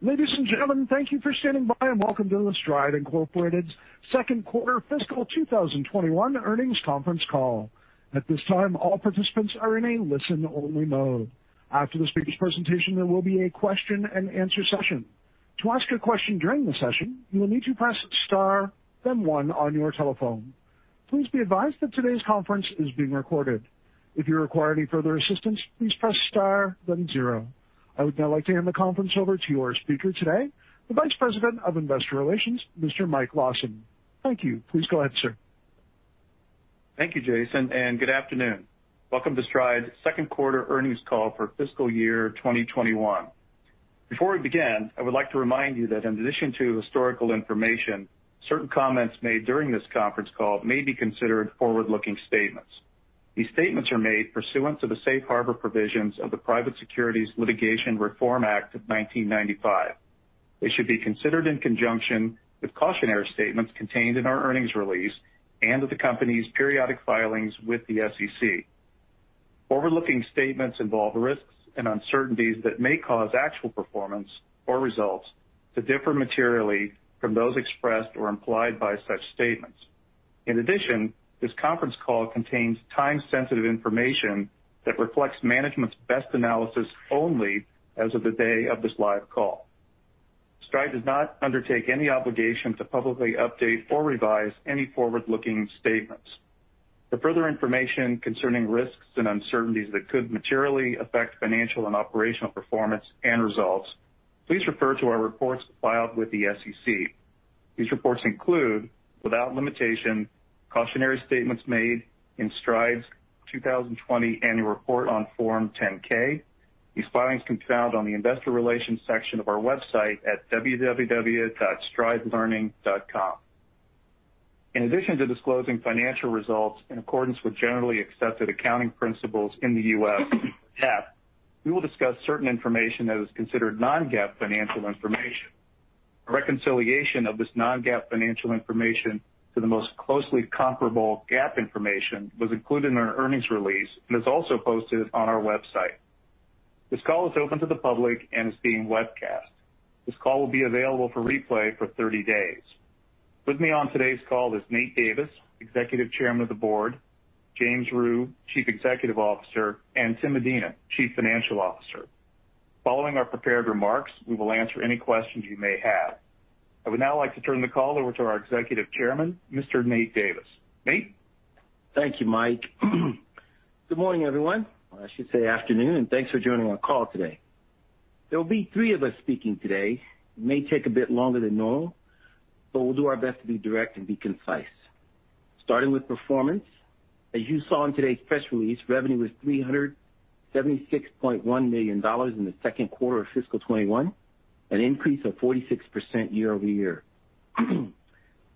Ladies and gentlemen, thank you for standing by and welcome to the Stride Incorporated's second quarter fiscal 2021 earnings conference call. I would now like to hand the conference over to your speaker today, the Vice President of Investor Relations, Mr. Mike Lawson. Thank you. Please go ahead, sir. Thank you, Jason, and good afternoon. Welcome to Stride's second quarter earnings call for fiscal year 2021. Before we begin, I would like to remind you that in addition to historical information, certain comments made during this conference call may be considered forward-looking statements. These statements are made pursuant to the safe harbor provisions of the Private Securities Litigation Reform Act of 1995. They should be considered in conjunction with cautionary statements contained in our earnings release and with the company's periodic filings with the SEC. Forward-looking statements involve risks and uncertainties that may cause actual performance or results to differ materially from those expressed or implied by such statements. In addition, this conference call contains time-sensitive information that reflects management's best analysis only as of the day of this live call. Stride does not undertake any obligation to publicly update or revise any forward-looking statements. For further information concerning risks and uncertainties that could materially affect financial and operational performance and results, please refer to our reports filed with the SEC. These reports include, without limitation, cautionary statements made in Stride's 2020 annual report on Form 10-K. These filings can be found on the investor relations section of our website at www.stridelearning.com. In addition to disclosing financial results in accordance with generally accepted accounting principles in the U.S., GAAP, we will discuss certain information that is considered non-GAAP financial information. A reconciliation of this non-GAAP financial information to the most closely comparable GAAP information was included in our earnings release and is also posted on our website. This call is open to the public and is being webcast. This call will be available for replay for 30 days. With me on today's call is Nate Davis, Executive Chairman of the Board, James Rhyu, Chief Executive Officer, and Tim Medina, Chief Financial Officer. Following our prepared remarks, we will answer any questions you may have. I would now like to turn the call over to our Executive Chairman, Mr. Nate Davis. Nate? Thank you, Mike. Good morning, everyone. I should say afternoon. Thanks for joining our call today. There will be three of us speaking today. It may take a bit longer than normal. We'll do our best to be direct and be concise. Starting with performance. As you saw in today's press release, revenue was $376.1 million in the second quarter of fiscal 2021, an increase of 46% year-over-year.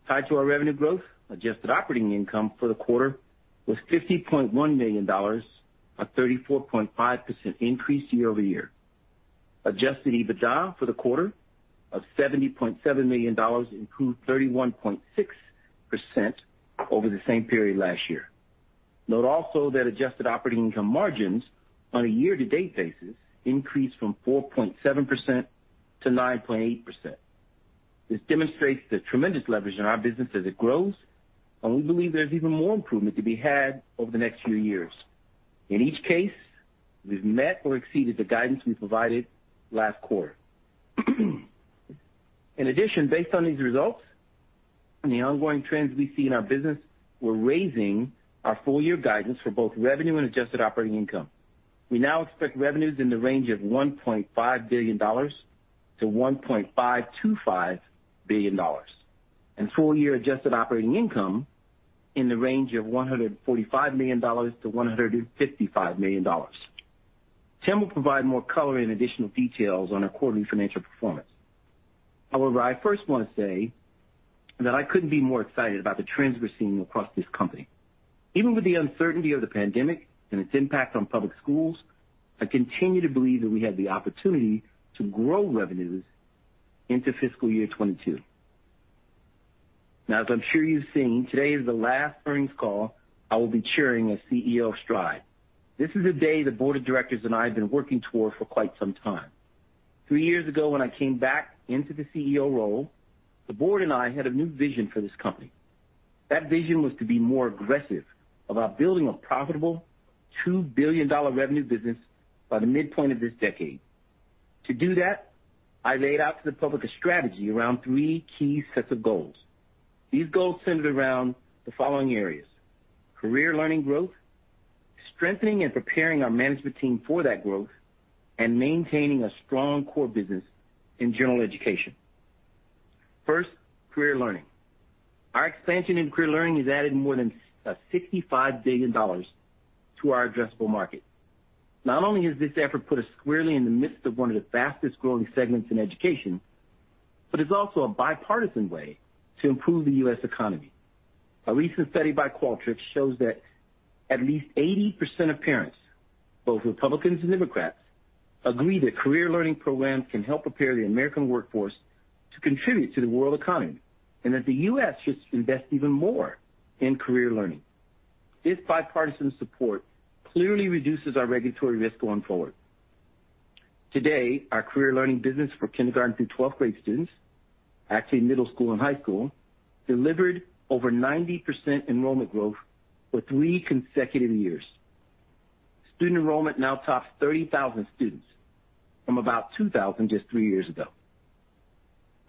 Tied to our revenue growth, Adjusted Operating Income for the quarter was $50.1 million, a 34.5% increase year-over-year. Adjusted EBITDA for the quarter of $70.7 million improved 31.6% over the same period last year. Note also that Adjusted Operating Income margins on a year-to-date basis increased from 4.7%-9.8%. This demonstrates the tremendous leverage in our business as it grows, and we believe there's even more improvement to be had over the next few years. In each case, we've met or exceeded the guidance we provided last quarter. In addition, based on these results and the ongoing trends we see in our business, we're raising our full-year guidance for both revenue and adjusted operating income. We now expect revenues in the range of $1.5 billion-$1.525 billion, and full-year adjusted operating income in the range of $145 million-$155 million. Tim will provide more color and additional details on our quarterly financial performance. I first want to say that I couldn't be more excited about the trends we're seeing across this company. Even with the uncertainty of the pandemic and its impact on public schools, I continue to believe that we have the opportunity to grow revenues into fiscal year 2022. Now, as I'm sure you've seen, today is the last earnings call I will be chairing as CEO of Stride. This is a day the board of directors and I have been working toward for quite some time. Three years ago, when I came back into the CEO role, the board and I had a new vision for this company. That vision was to be more aggressive about building a profitable $2 billion revenue business by the midpoint of this decade. To do that, I laid out to the public a strategy around three key sets of goals. These goals centered around the following areas: Career Learning growth, strengthening and preparing our management team for that growth, and maintaining a strong core business in General Education. First, Career Learning. Our expansion in Career Learning has added more than $65 billion to our addressable market. Not only has this effort put us squarely in the midst of one of the fastest-growing segments in education, but it's also a bipartisan way to improve the U.S. economy. A recent study by Qualtrics shows that at least 80% of parents, both Republicans and Democrats, agree that Career Learning programs can help prepare the American workforce to contribute to the world economy, and that the U.S. should invest even more in Career Learning. This bipartisan support clearly reduces our regulatory risk going forward. Today, our Career Learning business for kindergarten through 12th-grade students, actually middle school and high school, delivered over 90% enrollment growth for three consecutive years. Student enrollment now tops 30,000 students from about 2,000 just three years ago.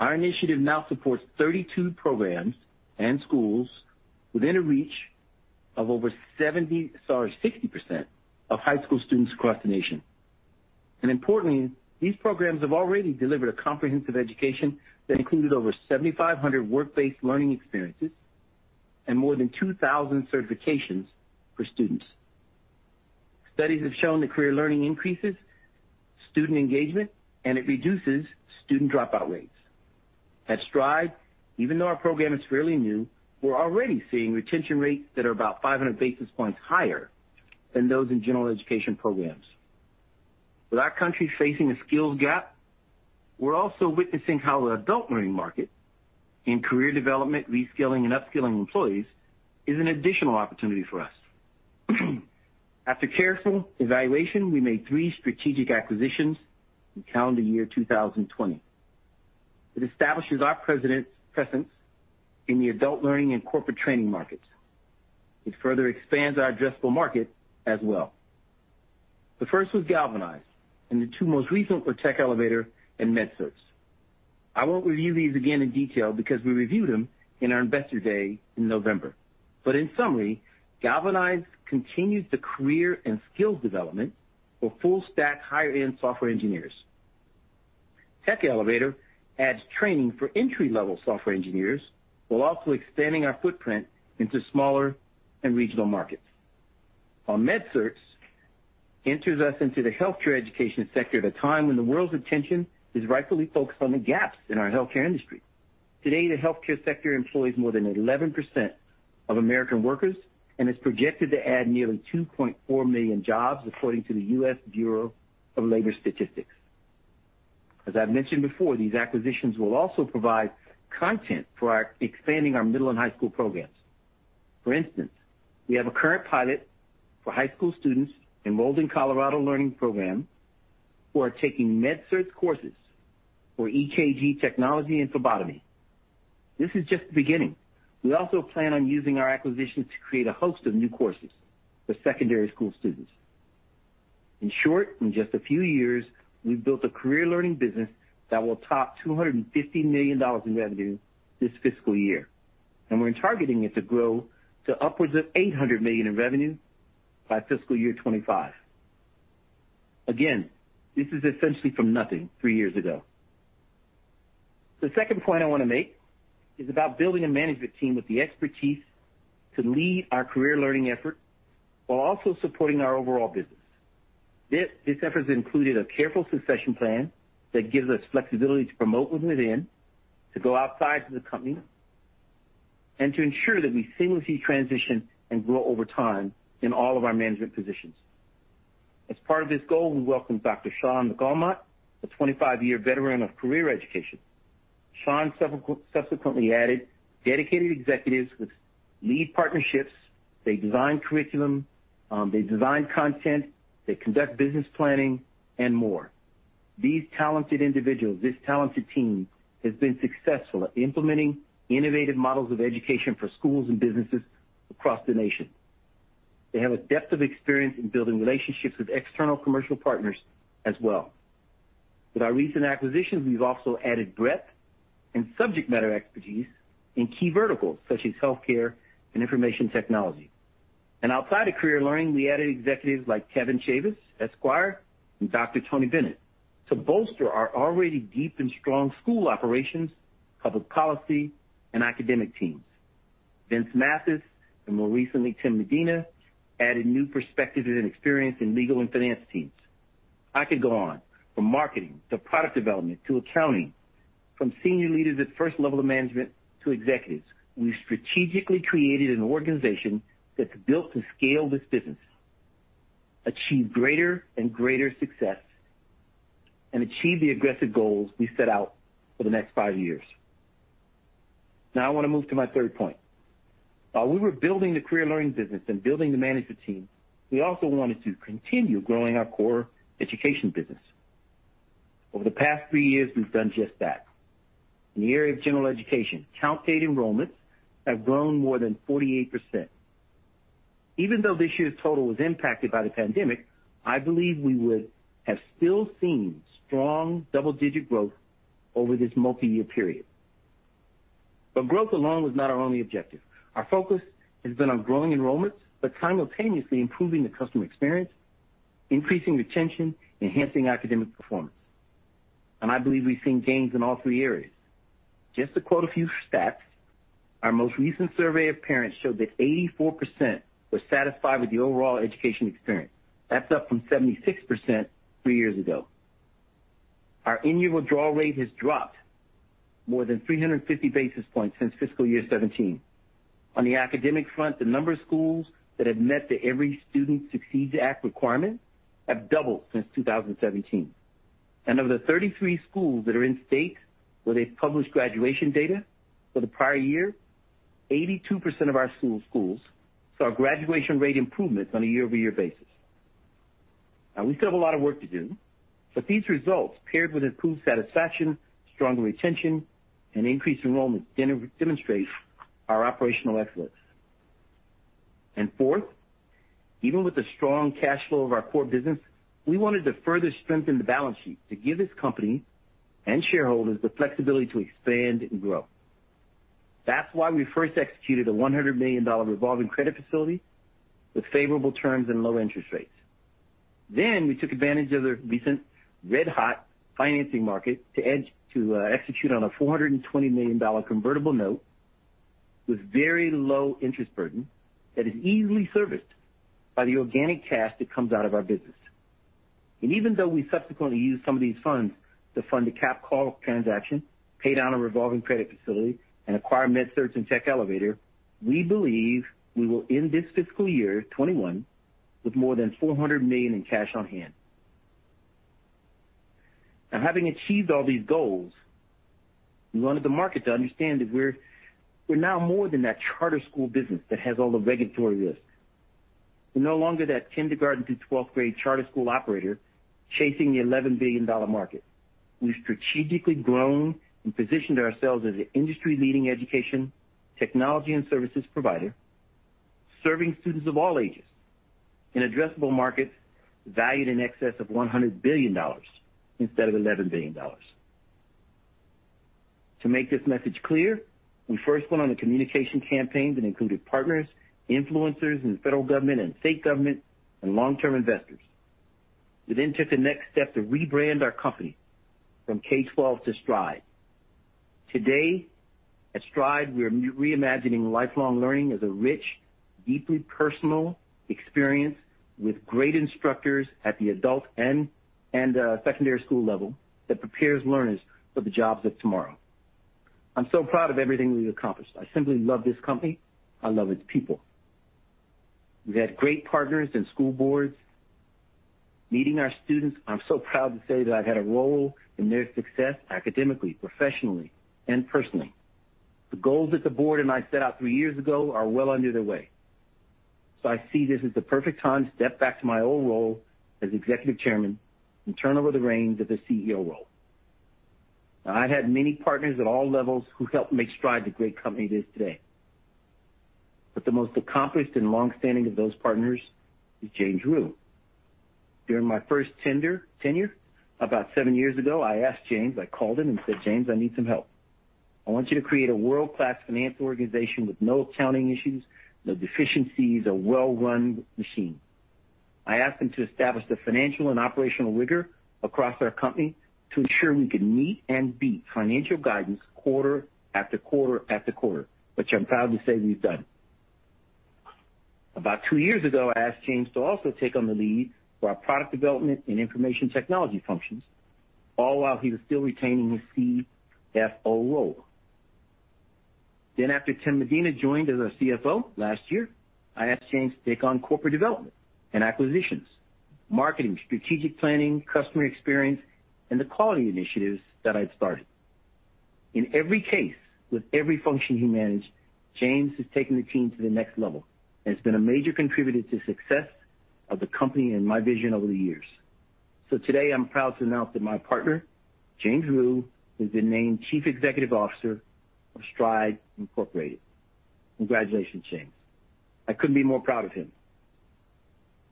Our initiative now supports 32 programs and schools within a reach of over 60% of high school students across the nation. Importantly, these programs have already delivered a comprehensive education that included over 7,500 work-based learning experiences and more than 2,000 certifications for students. Studies have shown that Career Learning increases student engagement, and it reduces student dropout rates. At Stride, even though our program is fairly new, we're already seeing retention rates that are about 500 basis points higher than those in General Education programs. With our country facing a skills gap, we're also witnessing how the Adult Learning market in career development, reskilling, and upskilling employees is an additional opportunity for us. After careful evaluation, we made three strategic acquisitions in calendar year 2020. It establishes our presence in the Adult Learning and corporate training markets. It further expands our addressable market as well. The first was Galvanize, and the two most recent were Tech Elevator and MedCerts. I won't review these again in detail because we reviewed them in our Investor Day in November. In summary, Galvanize continues the career and skills development for full-stack higher-end software engineers. Tech Elevator adds training for entry-level software engineers, while also expanding our footprint into smaller and regional markets. MedCerts enters us into the healthcare education sector at a time when the world's attention is rightfully focused on the gaps in our healthcare industry. Today, the healthcare sector employs more than 11% of American workers and is projected to add nearly 2.4 million jobs, according to the U.S. Bureau of Labor Statistics. As I've mentioned before, these acquisitions will also provide content for expanding our middle and high school programs. For instance, we have a current pilot for high school students enrolled in Colorado Learning Program who are taking MedCerts courses for EKG technology and phlebotomy. This is just the beginning. We also plan on using our acquisitions to create a host of new courses for secondary school students. In short, in just a few years, we've built a Career Learning business that will top $250 million in revenue this fiscal year. We're targeting it to grow to upwards of $800 million in revenue by fiscal year 2025. Again, this is essentially from nothing three years ago. The second point I want to make is about building a management team with the expertise to lead our career learning effort while also supporting our overall business. This effort has included a careful succession plan that gives us flexibility to promote from within, to go outside to the company, and to ensure that we seamlessly transition and grow over time in all of our management positions. As part of this goal, we welcome Dr. Sean McDermott, a 25-year veteran of career education. Sean subsequently added dedicated executives which lead partnerships. They design curriculum. They design content. They conduct business planning and more. These talented individuals, this talented team, has been successful at implementing innovative models of education for schools and businesses across the nation. They have a depth of experience in building relationships with external commercial partners as well. With our recent acquisitions, we've also added breadth and subject matter expertise in key verticals such as healthcare and information technology. Outside of Career Learning, we added executives like Kevin Chavous, Esquire, and Dr. Tony Bennett to bolster our already deep and strong school operations, public policy, and academic teams. Vince Mathis, more recently Tim Medina, added new perspectives and experience in legal and finance teams. I could go on. From marketing to product development to accounting, from senior leaders at 1st level of management to executives, we strategically created an organization that's built to scale this business, achieve greater and greater success, and achieve the aggressive goals we set out for the next five years. I want to move to my third point. While we were building the Career Learning business and building the management team, we also wanted to continue growing our core education business. Over the past three years, we've done just that. In the area of General Education, count paid enrollments have grown more than 48%. Even though this year's total was impacted by the pandemic, I believe we would have still seen strong double-digit growth over this multi-year period. Growth alone was not our only objective. Our focus has been on growing enrollments, but simultaneously improving the customer experience, increasing retention, enhancing academic performance. I believe we've seen gains in all three areas. Just to quote a few stats, our most recent survey of parents showed that 84% were satisfied with the overall education experience. That's up from 76% three years ago. Our in-year withdrawal rate has dropped more than 350 basis points since fiscal year 2017. On the academic front, the number of schools that have met the Every Student Succeeds Act requirement have doubled since 2017. Of the 33 schools that are in states where they've published graduation data for the prior year, 82% of our schools saw graduation rate improvements on a year-over-year basis. Now, we still have a lot of work to do, but these results, paired with improved satisfaction, stronger retention, and increased enrollment, demonstrate our operational excellence. Fourth, even with the strong cash flow of our core business, we wanted to further strengthen the balance sheet to give this company and shareholders the flexibility to expand and grow. That's why we first executed a $100 million revolving credit facility with favorable terms and low interest rates. We took advantage of the recent red-hot financing market to execute on a $420 million convertible note with very low interest burden that is easily serviced by the organic cash that comes out of our business. Even though we subsequently used some of these funds to fund a cap call transaction, pay down a revolving credit facility, and acquire MedCerts and Tech Elevator, we believe we will end this fiscal year 2021 with more than $400 million in cash on hand. Having achieved all these goals, we wanted the market to understand that we're now more than that charter school business that has all the regulatory risk. We're no longer that kindergarten through 12th grade charter school operator chasing the $11 billion market. We've strategically grown and positioned ourselves as an industry-leading education, technology, and services provider, serving students of all ages in addressable markets valued in excess of $100 billion instead of $11 billion. To make this message clear, we first went on a communication campaign that included partners, influencers in the federal government and state government, and long-term investors. We took the next step to rebrand our company from K12 to Stride. Today at Stride, we are reimagining lifelong learning as a rich, deeply personal experience with great instructors at the adult and secondary school level that prepares learners for the jobs of tomorrow. I'm so proud of everything we've accomplished. I simply love this company. I love its people. We've had great partners and school boards. Meeting our students, I'm so proud to say that I've had a role in their success academically, professionally, and personally. The goals that the board and I set out three years ago are well under their way. I see this as the perfect time to step back to my old role as Executive Chairman and turn over the reins of the CEO role. I've had many partners at all levels who helped make Stride the great company it is today. The most accomplished and longstanding of those partners is James Rhyu. During my first tenure about seven years ago, I asked James, I called him and said, "James, I need some help. I want you to create a world-class finance organization with no accounting issues, no deficiencies, a well-run machine." I asked him to establish the financial and operational rigor across our company to ensure we could meet and beat financial guidance quarter after quarter after quarter, which I'm proud to say we've done. About two years ago, I asked James to also take on the lead for our product development and information technology functions, all while he was still retaining his CFO role. After Tim Medina joined as our CFO last year, I asked James to take on corporate development and acquisitions, marketing, strategic planning, customer experience, and the quality initiatives that I'd started. In every case, with every function he managed, James has taken the team to the next level and has been a major contributor to success of the company and my vision over the years. Today, I'm proud to announce that my partner, James Rhyu, has been named Chief Executive Officer of Stride Incorporated. Congratulations, James. I couldn't be more proud of him.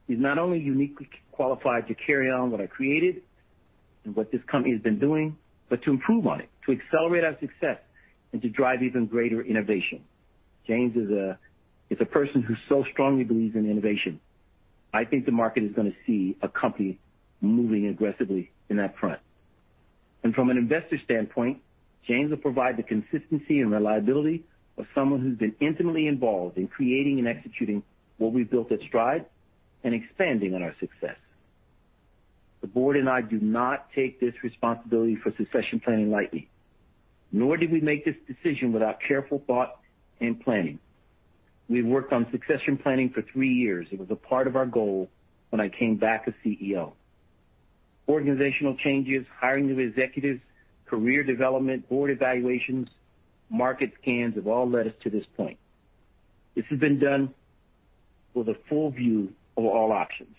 He's not only uniquely qualified to carry on what I created and what this company has been doing, but to improve on it, to accelerate our success, and to drive even greater innovation. James is a person who so strongly believes in innovation. I think the market is going to see a company moving aggressively in that front. From an investor standpoint, James will provide the consistency and reliability of someone who's been intimately involved in creating and executing what we've built at Stride and expanding on our success. The board and I do not take this responsibility for succession planning lightly, nor did we make this decision without careful thought and planning. We've worked on succession planning for three years. It was a part of our goal when I came back as CEO. Organizational changes, hiring new executives, career development, board evaluations, market scans have all led us to this point. This has been done with a full view of all options.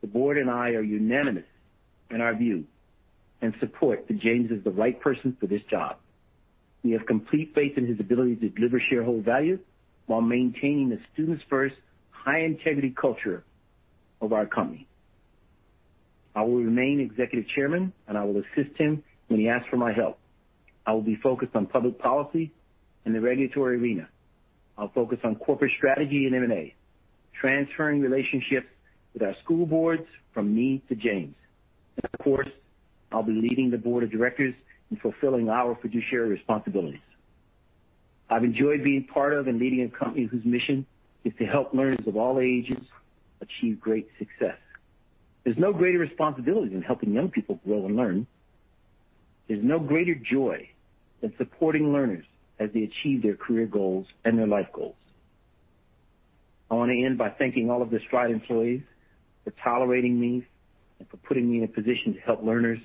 The board and I are unanimous in our view and support that James is the right person for this job. We have complete faith in his ability to deliver shareholder value while maintaining the students-first, high-integrity culture of our company. I will remain Executive Chairman, and I will assist him when he asks for my help. I will be focused on public policy in the regulatory arena. I'll focus on corporate strategy and M&A, transferring relationships with our school boards from me to James. Of course, I'll be leading the board of directors in fulfilling our fiduciary responsibilities. I've enjoyed being part of and leading a company whose mission is to help learners of all ages achieve great success. There's no greater responsibility than helping young people grow and learn. There's no greater joy than supporting learners as they achieve their career goals and their life goals. I want to end by thanking all of the Stride employees for tolerating me and for putting me in a position to help learners,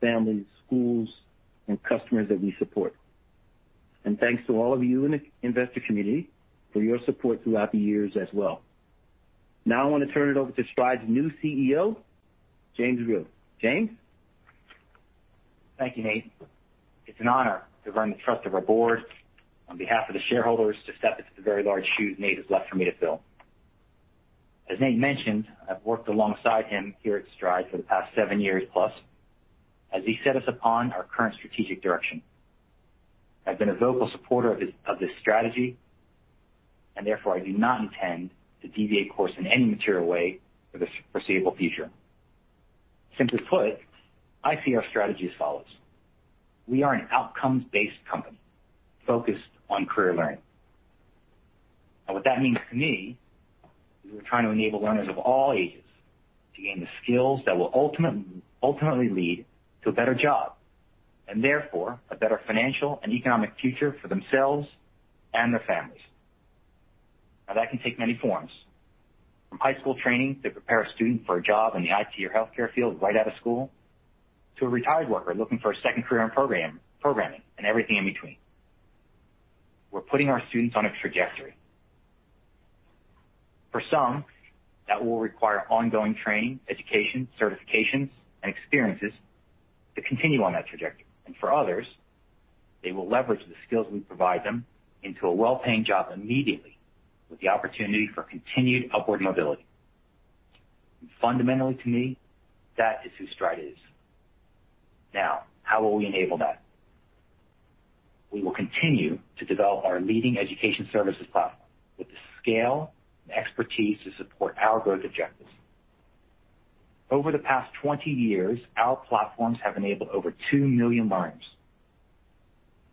families, schools, and customers that we support. Thanks to all of you in the investor community for your support throughout the years as well. Now I want to turn it over to Stride's new CEO, James Rhyu. James? Thank you, Nate. It's an honor to have earned the trust of our board, on behalf of the shareholders, to step into the very large shoes Nate has left for me to fill. As Nate mentioned, I've worked alongside him here at Stride for the past seven years plus as he set us upon our current strategic direction. I've been a vocal supporter of this strategy, and therefore, I do not intend to deviate course in any material way for the foreseeable future. Simply put, I see our strategy as follows: We are an outcomes-based company focused on Career Learning. What that means to me is we're trying to enable learners of all ages to gain the skills that will ultimately lead to a better job, and therefore, a better financial and economic future for themselves and their families. Now, that can take many forms, from high school training to prepare a student for a job in the IT or healthcare field right out of school, to a retired worker looking for a second career in programming and everything in between. We're putting our students on a trajectory. For some, that will require ongoing training, education, certifications, and experiences to continue on that trajectory. For others, they will leverage the skills we provide them into a well-paying job immediately with the opportunity for continued upward mobility. Fundamentally to me, that is who Stride is. Now, how will we enable that? We will continue to develop our leading education services platform with the scale and expertise to support our growth objectives. Over the past 20 years, our platforms have enabled over 2 million learners,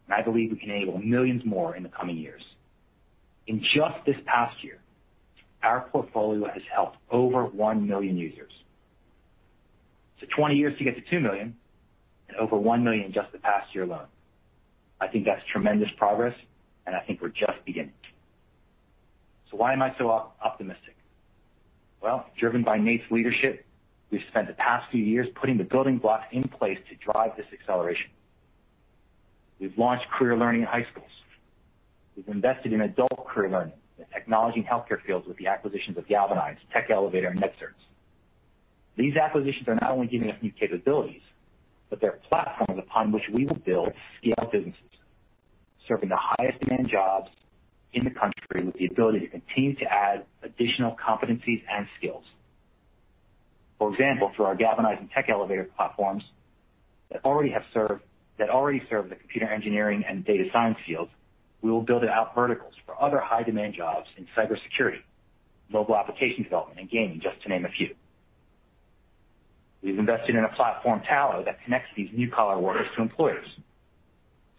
and I believe we can enable millions more in the coming years. In just this past year, our portfolio has helped over 1 million users. 20 years to get to 2 million and over 1 million in just the past year alone. I think that's tremendous progress, and I think we're just beginning. Why am I so optimistic? Well, driven by Nate's leadership, we've spent the past few years putting the building blocks in place to drive this acceleration. We've launched career learning in high schools. We've invested in adult career learning in the technology and healthcare fields with the acquisitions of Galvanize, Tech Elevator, and MedCerts. These acquisitions are not only giving us new capabilities, but they're platforms upon which we will build scale businesses, serving the highest demand jobs in the country with the ability to continue to add additional competencies and skills. For example, through our Galvanize and Tech Elevator platforms that already serve the computer engineering and data science fields, we will build out verticals for other high-demand jobs in cybersecurity, mobile application development, and gaming, just to name a few. We've invested in a platform, Tallo, that connects these new collar workers to employers.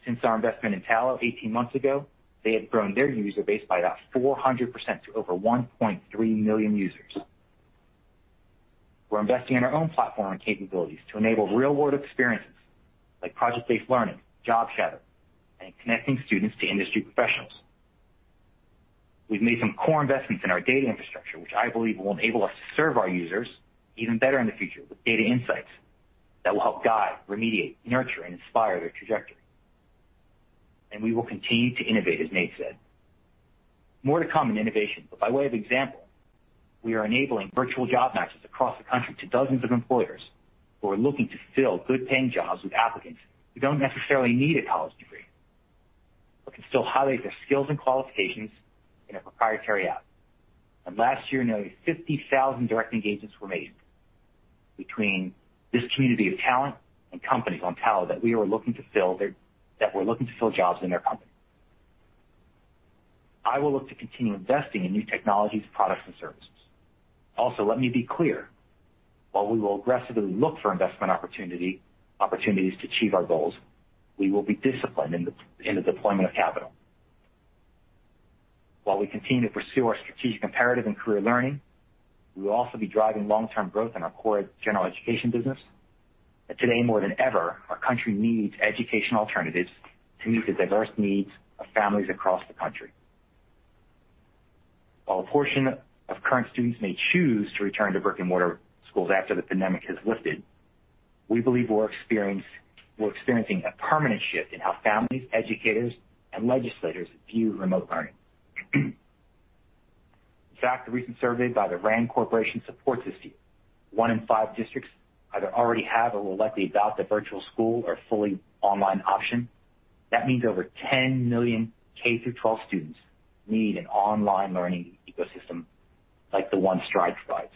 Since our investment in Tallo 18 months ago, they have grown their user base by about 400% to over 1.3 million users. We're investing in our own platform and capabilities to enable real-world experiences like project-based learning, job shadowing, and connecting students to industry professionals. We've made some core investments in our data infrastructure, which I believe will enable us to serve our users even better in the future with data insights that will help guide, remediate, nurture, and inspire their trajectory. We will continue to innovate, as Nate said. More to come in innovation, but by way of example, we are enabling virtual job matches across the country to dozens of employers who are looking to fill good-paying jobs with applicants who don't necessarily need a college degree but can still highlight their skills and qualifications in a proprietary app. Last year, nearly 50,000 direct engagements were made between this community of talent and companies on Tallo that were looking to fill jobs in their company. I will look to continue investing in new technologies, products, and services. Also, let me be clear, while we will aggressively look for investment opportunities to achieve our goals, we will be disciplined in the deployment of capital. While we continue to pursue our strategic imperative in Career Learning, we will also be driving long-term growth in our core General Education business. Today, more than ever, our country needs education alternatives to meet the diverse needs of families across the country. While a portion of current students may choose to return to brick-and-mortar schools after the pandemic has lifted, we believe we're experiencing a permanent shift in how families, educators, and legislators view remote learning. In fact, a recent survey by the RAND Corporation supports this view. One in five districts either already have or will likely adopt a virtual school or fully online option. That means over 10 million K-12 students need an online learning ecosystem like the one Stride provides.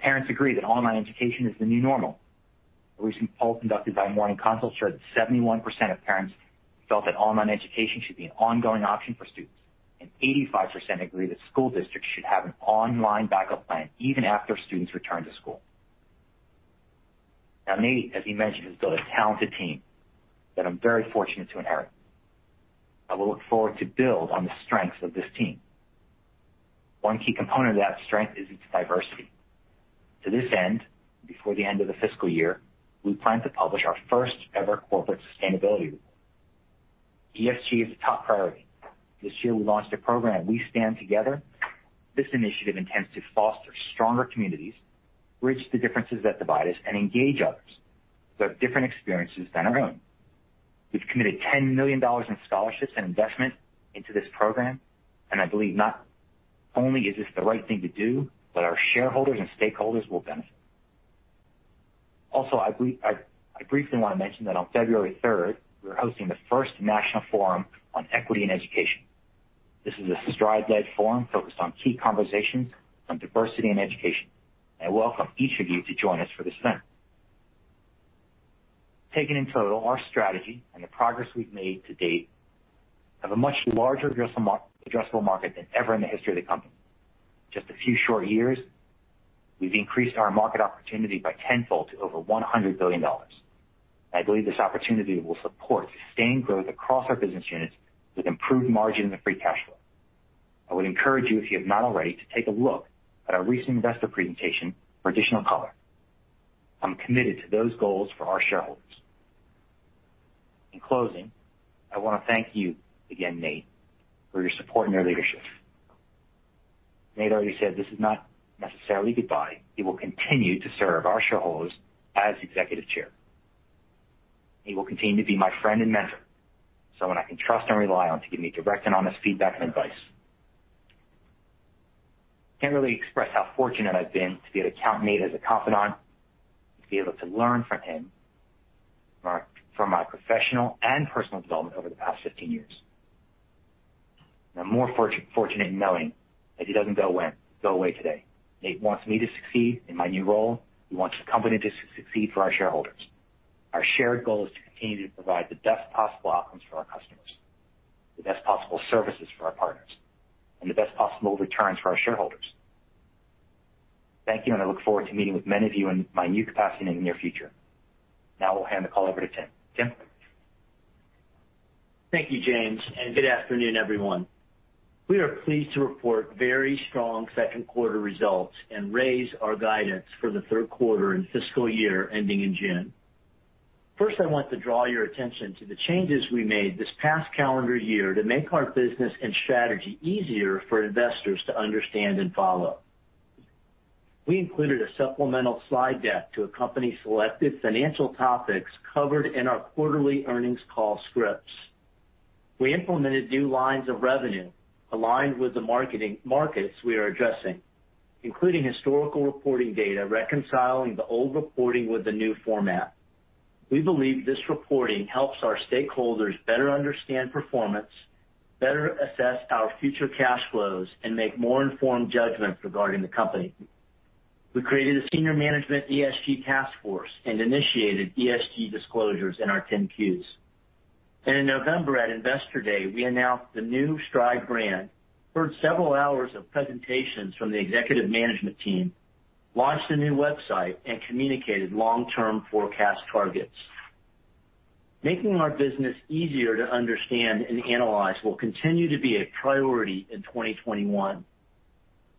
Parents agree that online education is the new normal. A recent poll conducted by Morning Consult showed that 71% of parents felt that online education should be an ongoing option for students, and 85% agree that school districts should have an online backup plan even after students return to school. Now, Nate, as he mentioned, has built a talented team that I'm very fortunate to inherit. I will look forward to build on the strengths of this team. One key component of that strength is its diversity. To this end, before the end of the fiscal year, we plan to publish our first ever corporate sustainability report. ESG is a top priority. This year, we launched a program, We Stand Together. This initiative intends to foster stronger communities, bridge the differences that divide us, and engage others who have different experiences than our own. We've committed $10 million in scholarships and investment into this program. I believe not only is this the right thing to do, but our shareholders and stakeholders will benefit. Also, I briefly want to mention that on February 3rd, we are hosting the first national forum on equity and education. This is a Stride-led forum focused on key conversations on diversity and education. I welcome each of you to join us for this event. Taken in total, our strategy and the progress we've made to date have a much larger addressable market than ever in the history of the company. Just a few short years, we've increased our market opportunity by tenfold to over $100 billion. I believe this opportunity will support sustained growth across our business units with improved margin and free cash flow. I would encourage you, if you have not already, to take a look at our recent investor presentation for additional color. I'm committed to those goals for our shareholders. In closing, I want to thank you again, Nate, for your support and your leadership. Nate already said this is not necessarily goodbye. He will continue to serve our shareholders as Executive Chair. He will continue to be my friend and mentor, someone I can trust and rely on to give me direct and honest feedback and advice. Can't really express how fortunate I've been to be able to count Nate as a confidant, to be able to learn from him for my professional and personal development over the past 15 years. I'm more fortunate knowing that he doesn't go away today. Nate wants me to succeed in my new role. He wants the company to succeed for our shareholders. Our shared goal is to continue to provide the best possible outcomes for our customers, the best possible services for our partners, and the best possible returns for our shareholders. Thank you, and I look forward to meeting with many of you in my new capacity in the near future. Now I'll hand the call over to Tim. Tim? Thank you, James. Good afternoon, everyone. We are pleased to report very strong second quarter results and raise our guidance for the third quarter and fiscal year ending in June. First, I want to draw your attention to the changes we made this past calendar year to make our business and strategy easier for investors to understand and follow. We included a supplemental slide deck to accompany selected financial topics covered in our quarterly earnings call scripts. We implemented new lines of revenue aligned with the markets we are addressing, including historical reporting data reconciling the old reporting with the new format. We believe this reporting helps our stakeholders better understand performance, better assess our future cash flows, and make more informed judgments regarding the company. We created a senior management ESG task force and initiated ESG disclosures in our 10-Qs. In November, at Investor Day, we announced the new Stride brand, heard several hours of presentations from the executive management team, launched a new website, and communicated long-term forecast targets. Making our business easier to understand and analyze will continue to be a priority in 2021.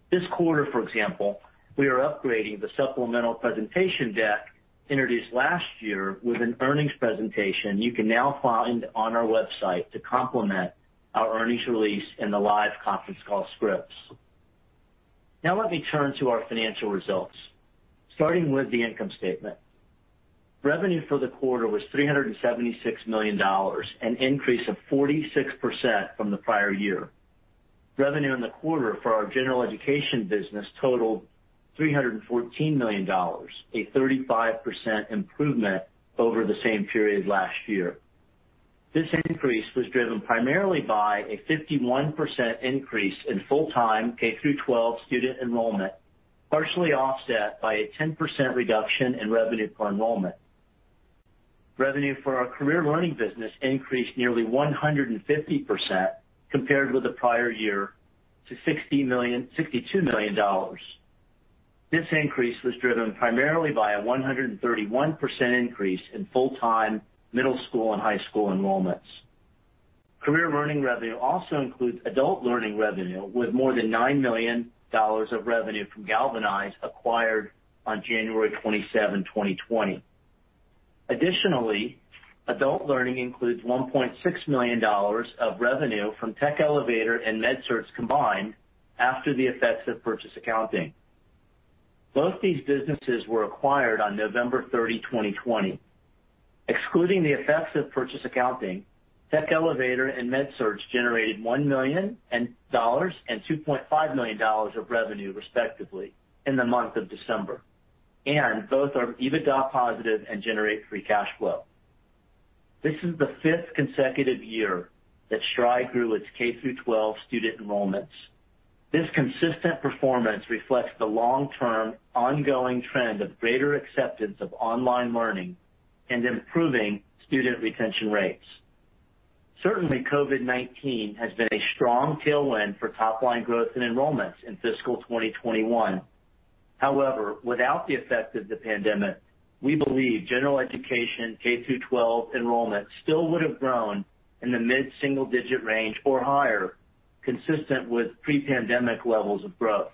This quarter, for example, we are upgrading the supplemental presentation deck introduced last year with an earnings presentation you can now find on our website to complement our earnings release and the live conference call scripts. Let me turn to our financial results, starting with the income statement. Revenue for the quarter was $376 million, an increase of 46% from the prior year. Revenue in the quarter for our General Education business totaled $314 million, a 35% improvement over the same period last year. This increase was driven primarily by a 51% increase in full-time K-12 student enrollment, partially offset by a 10% reduction in revenue per enrollment. Revenue for our Career Learning business increased nearly 150% compared with the prior year to $62 million. This increase was driven primarily by a 131% increase in full-time middle school and high school enrollments. Career Learning revenue also includes Adult Learning revenue, with more than $9 million of revenue from Galvanize acquired on January 27, 2020. Additionally, Adult Learning includes $1.6 million of revenue from Tech Elevator and MedCerts combined after the effects of purchase accounting. Both these businesses were acquired on November 30, 2020. Excluding the effects of purchase accounting, Tech Elevator and MedCerts generated $1 million and $2.5 million of revenue respectively in the month of December. Both are EBITDA positive and generate free cash flow. This is the fifth consecutive year that Stride grew its K-12 student enrollments. This consistent performance reflects the long-term ongoing trend of greater acceptance of online learning and improving student retention rates. Certainly, COVID-19 has been a strong tailwind for top-line growth and enrollments in fiscal 2021. Without the effect of the pandemic, we believe General Education K-12 enrollment still would have grown in the mid-single digit range or higher, consistent with pre-pandemic levels of growth.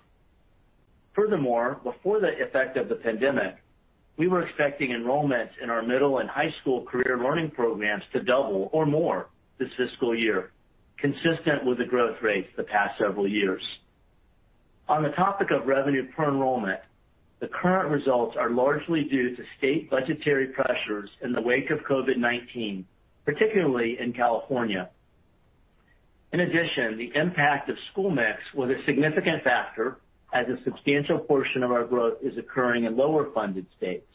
Before the effect of the pandemic, we were expecting enrollments in our middle and high school Career Learning programs to double or more this fiscal year, consistent with the growth rates the past several years. On the topic of revenue per enrollment, the current results are largely due to state budgetary pressures in the wake of COVID-19, particularly in California. In addition, the impact of school mix was a significant factor as a substantial portion of our growth is occurring in lower-funded states.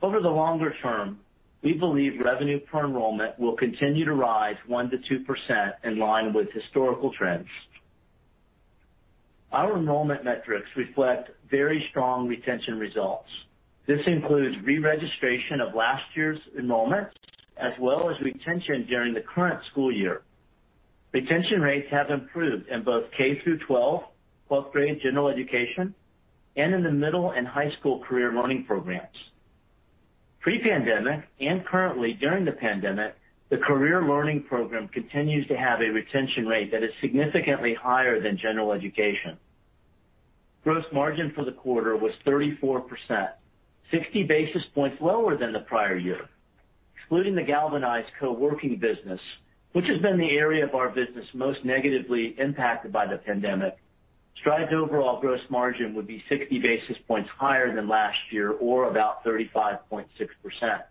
Over the longer term, we believe revenue per enrollment will continue to rise 1%-2% in line with historical trends. Our enrollment metrics reflect very strong retention results. This includes re-registration of last year's enrollments, as well as retention during the current school year. Retention rates have improved in both K-12, 12th grade General Education, and in the middle and high school Career Learning programs. Pre-pandemic, and currently during the pandemic, the Career Learning program continues to have a retention rate that is significantly higher than General Education. Gross margin for the quarter was 34%, 60 basis points lower than the prior year. Excluding the Galvanize co-working business, which has been the area of our business most negatively impacted by the pandemic, Stride's overall gross margin would be 60 basis points higher than last year, or about 35.6%.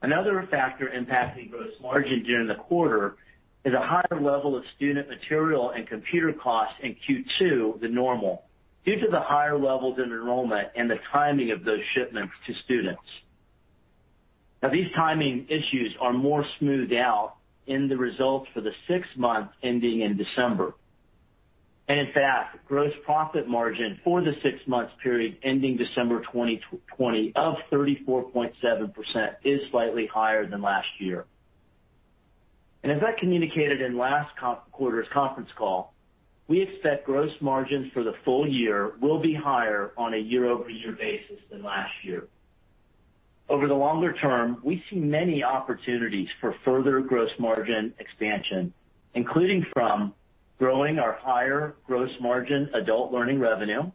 Another factor impacting gross margin during the quarter is a higher level of student material and computer costs in Q2 than normal due to the higher levels in enrollment and the timing of those shipments to students. These timing issues are more smoothed out in the results for the six months ending in December. In fact, gross profit margin for the six months period ending December 2020 of 34.7% is slightly higher than last year. As I communicated in last quarter's conference call, we expect gross margin for the full year will be higher on a year-over-year basis than last year. Over the longer term, we see many opportunities for further gross margin expansion, including from growing our higher gross margin Adult Learning revenue,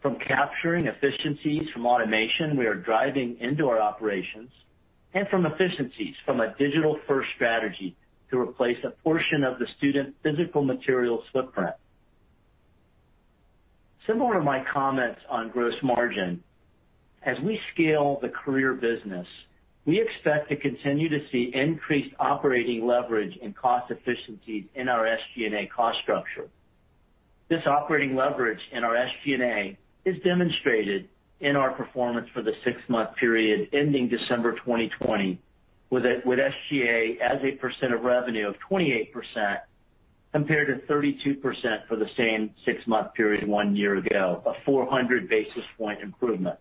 from capturing efficiencies from automation we are driving into our operations, and from efficiencies from a digital-first strategy to replace a portion of the student physical material footprint. Similar to my comments on gross margin, as we scale the career business, we expect to continue to see increased operating leverage and cost efficiencies in our SG&A cost structure. This operating leverage in our SG&A is demonstrated in our performance for the six-month period ending December 2020 with SG&A as a percent of revenue of 28% compared to 32% for the same six-month period one year ago, a 400 basis point improvement.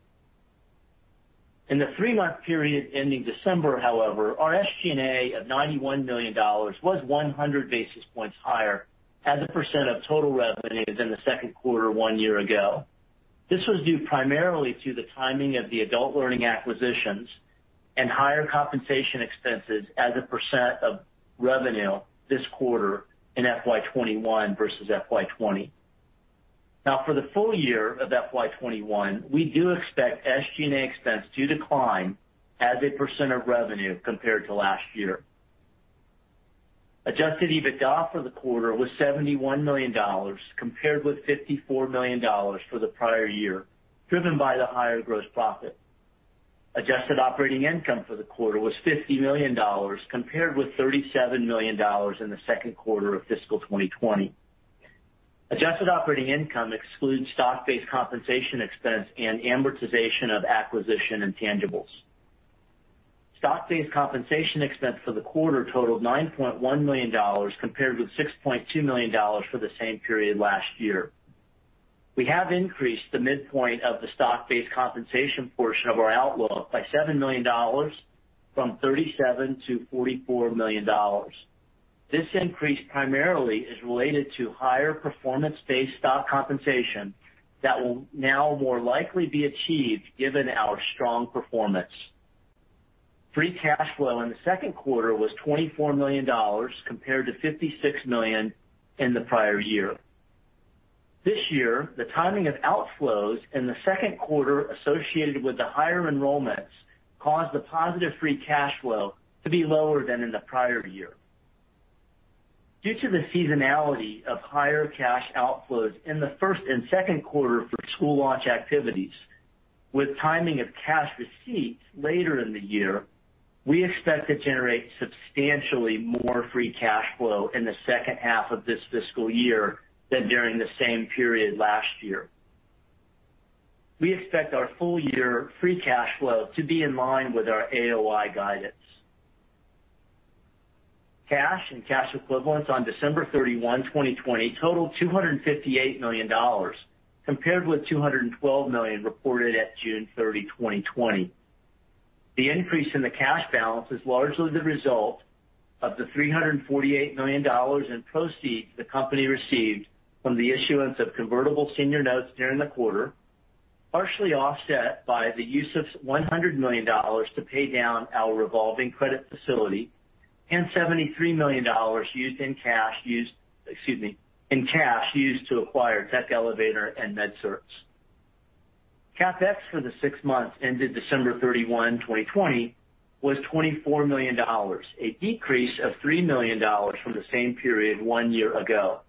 In the three-month period ending December, however, our SG&A of $91 million was 100 basis points higher as a percent of total revenues in the second quarter one year ago. This was due primarily to the timing of the Adult Learning acquisitions and higher compensation expenses as a percent of revenue this quarter in FY 2021 versus FY 2020. For the full year of FY 2021, we do expect SG&A expense to decline as a percent of revenue compared to last year. Adjusted EBITDA for the quarter was $71 million, compared with $54 million for the prior year, driven by the higher gross profit. Adjusted Operating Income for the quarter was $50 million, compared with $37 million in the second quarter of fiscal 2020. Adjusted Operating Income excludes stock-based compensation expense and amortization of acquisition intangibles. Stock-based compensation expense for the quarter totaled $9.1 million, compared with $6.2 million for the same period last year. We have increased the midpoint of the stock-based compensation portion of our outlook by $7 million from $37 million-$44 million. This increase primarily is related to higher performance-based stock compensation that will now more likely be achieved given our strong performance. Free cash flow in the second quarter was $24 million compared to $56 million in the prior year. This year, the timing of outflows in the second quarter associated with the higher enrollments caused the positive free cash flow to be lower than in the prior year. Due to the seasonality of higher cash outflows in the first and second quarter for school launch activities, with timing of cash receipts later in the year, we expect to generate substantially more free cash flow in the second half of this fiscal year than during the same period last year. We expect our full year free cash flow to be in line with our AOI guidance. Cash and cash equivalents on December 31, 2020, totaled $258 million compared with $212 million reported at June 30, 2020. The increase in the cash balance is largely the result of the $348 million in proceeds the company received from the issuance of convertible senior notes during the quarter, partially offset by the use of $100 million to pay down our revolving credit facility and $73 million used in cash to acquire Tech Elevator and MedCerts. CapEx for the six months ended December 31, 2020, was $24 million, a decrease of $3 million from the same period one year ago.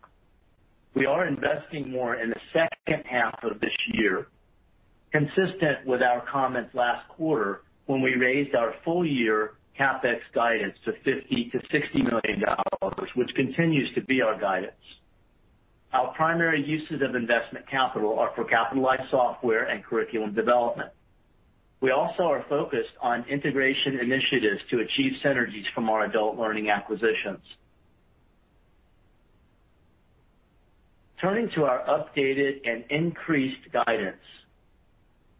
We are investing more in the second half of this year, consistent with our comments last quarter when we raised our full-year CapEx guidance to $50 million-$60 million, which continues to be our guidance. Our primary uses of investment capital are for capitalized software and curriculum development. We also are focused on integration initiatives to achieve synergies from our Adult Learning acquisitions. Turning to our updated and increased guidance.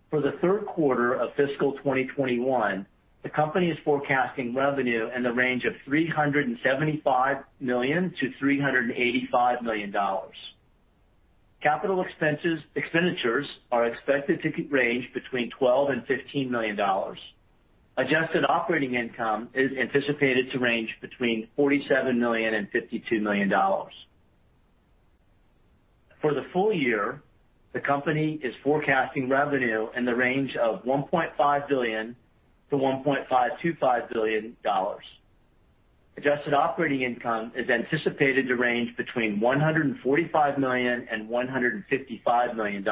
For the third quarter of fiscal 2021, the company is forecasting revenue in the range of $375 million-$385 million. Capital expenditures are expected to range between $12 million and $15 million. Adjusted operating income is anticipated to range between $47 million and $52 million. For the full year, the company is forecasting revenue in the range of $1.5 billion-$1.525 billion. Adjusted operating income is anticipated to range between $145 million and $155 million.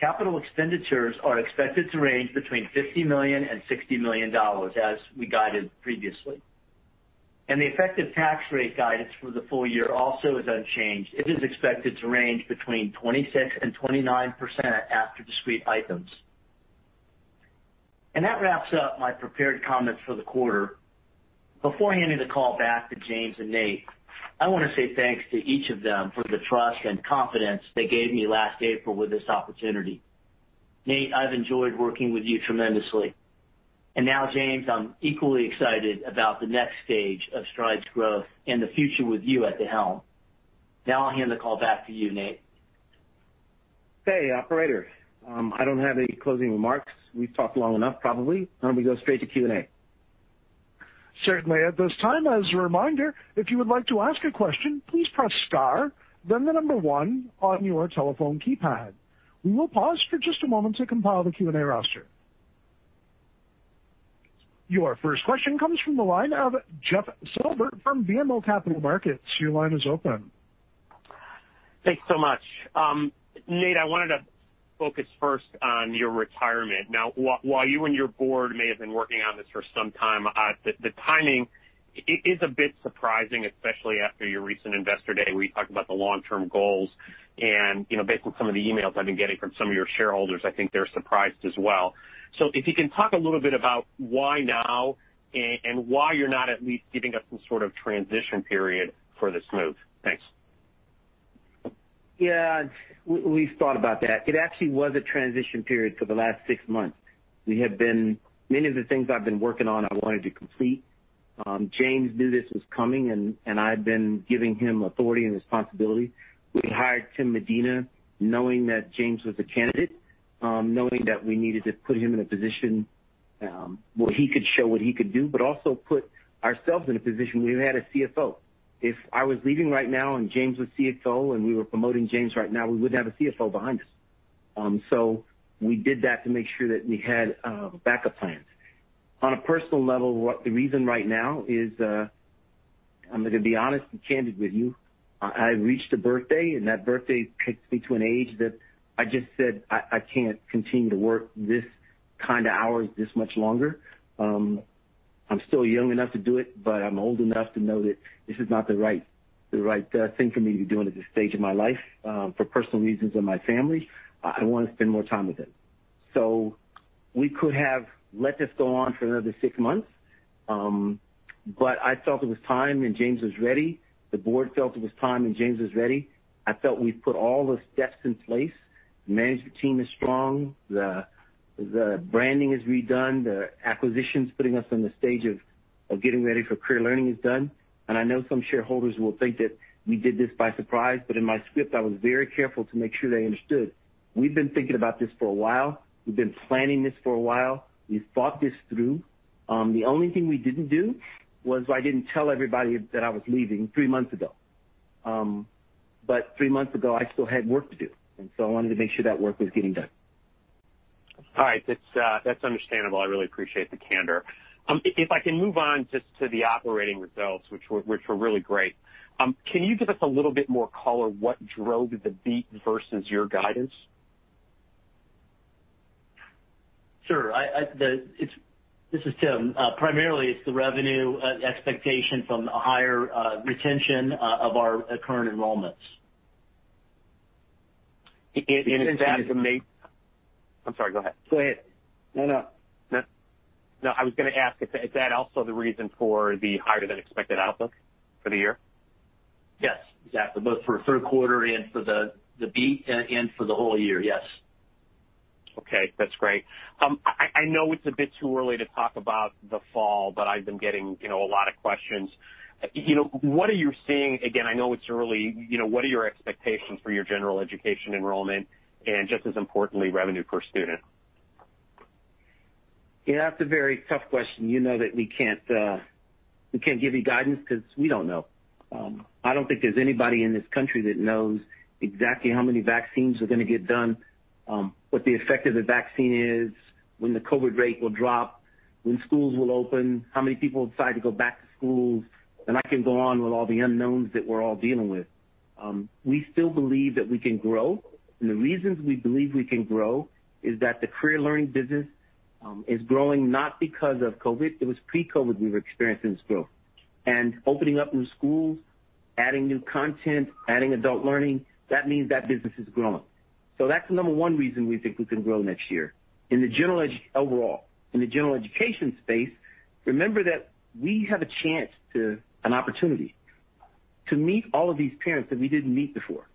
Capital expenditures are expected to range between $50 million and $60 million, as we guided previously. The effective tax rate guidance for the full year also is unchanged. It is expected to range between 26% and 29% after discrete items. That wraps up my prepared comments for the quarter. Before I hand it to call back to James and Nate, I want to say thanks to each of them for the trust and confidence they gave me last April with this opportunity. Nate, I've enjoyed working with you tremendously. Now, James, I'm equally excited about the next stage of Stride's growth and the future with you at the helm. Now I'll hand the call back to you, Nate. Hey, operator. I don't have any closing remarks. We've talked long enough, probably. Why don't we go straight to Q&A? Certainly, at this time as a reminder, if you would like to ask a question, please press star, then the number one on your telephone keypad. We will pause for just a moment to compile the Q&A roster. Your first question comes from the line of Jeff Silber from BMO Capital Markets. Thanks so much. Nate, I wanted to focus first on your retirement. While you and your board may have been working on this for some time, the timing is a bit surprising, especially after your recent Investor Day where you talked about the long-term goals. Based on some of the emails I've been getting from some of your shareholders, I think they're surprised as well. If you can talk a little bit about why now and why you're not at least giving us some sort of transition period for this move. Thanks. Yeah. We've thought about that. It actually was a transition period for the last six months. Many of the things I've been working on, I wanted to complete. James knew this was coming, and I've been giving him authority and responsibility. We hired Tim Medina knowing that James was a candidate, knowing that we needed to put him in a position where he could show what he could do, but also put ourselves in a position where we had a CFO. If I was leaving right now, and James was CFO, and we were promoting James right now, we wouldn't have a CFO behind us. We did that to make sure that we had backup plans. On a personal level, the reason right now is, I'm going to be honest and candid with you. I reached a birthday, and that birthday takes me to an age that I just said I can't continue to work these kind of hours this much longer. I'm still young enough to do it, but I'm old enough to know that this is not the right thing for me to be doing at this stage of my life for personal reasons and my family. I want to spend more time with them. We could have let this go on for another six months, but I felt it was time, and James was ready. The board felt it was time, and James was ready. I felt we put all the steps in place. The management team is strong. The branding is redone. The acquisitions putting us in the stage of getting ready for Career Learning is done. I know some shareholders will think that we did this by surprise, but in my script, I was very careful to make sure they understood we've been thinking about this for a while. We've been planning this for a while. We've thought this through. The only thing we didn't do was I didn't tell everybody that I was leaving three months ago. Three months ago, I still had work to do, and so I wanted to make sure that work was getting done. All right. That's understandable. I really appreciate the candor. If I can move on just to the operating results, which were really great. Can you give us a little bit more color what drove the beat versus your guidance? Sure. This is Tim. Primarily, it's the revenue expectation from a higher retention of our current enrollments. I'm sorry. Go ahead. Go ahead. No. No, I was going to ask, is that also the reason for the higher than expected outlook for the year? Yes, exactly. Both for third quarter and for the beat and for the whole year, yes. Okay, that's great. I know it's a bit too early to talk about the fall, but I've been getting a lot of questions. What are you seeing? Again, I know it's early. What are your expectations for your General Education enrollment and just as importantly, revenue per student? Yeah, that's a very tough question. You know that we can't give you guidance because we don't know. I don't think there's anybody in this country that knows exactly how many vaccines are going to get done, what the effect of the vaccine is, when the COVID rate will drop, when schools will open, how many people decide to go back to schools, and I can go on with all the unknowns that we're all dealing with. We still believe that we can grow, and the reasons we believe we can grow is that the Career Learning business is growing, not because of COVID. It was pre-COVID we were experiencing this growth. Opening up new schools, adding new content, adding Adult Learning, that means that business is growing. That's the number one reason we think we can grow next year. Overall, in the General Education space, remember that we have a chance to, an opportunity to meet all of these parents that we didn't meet before.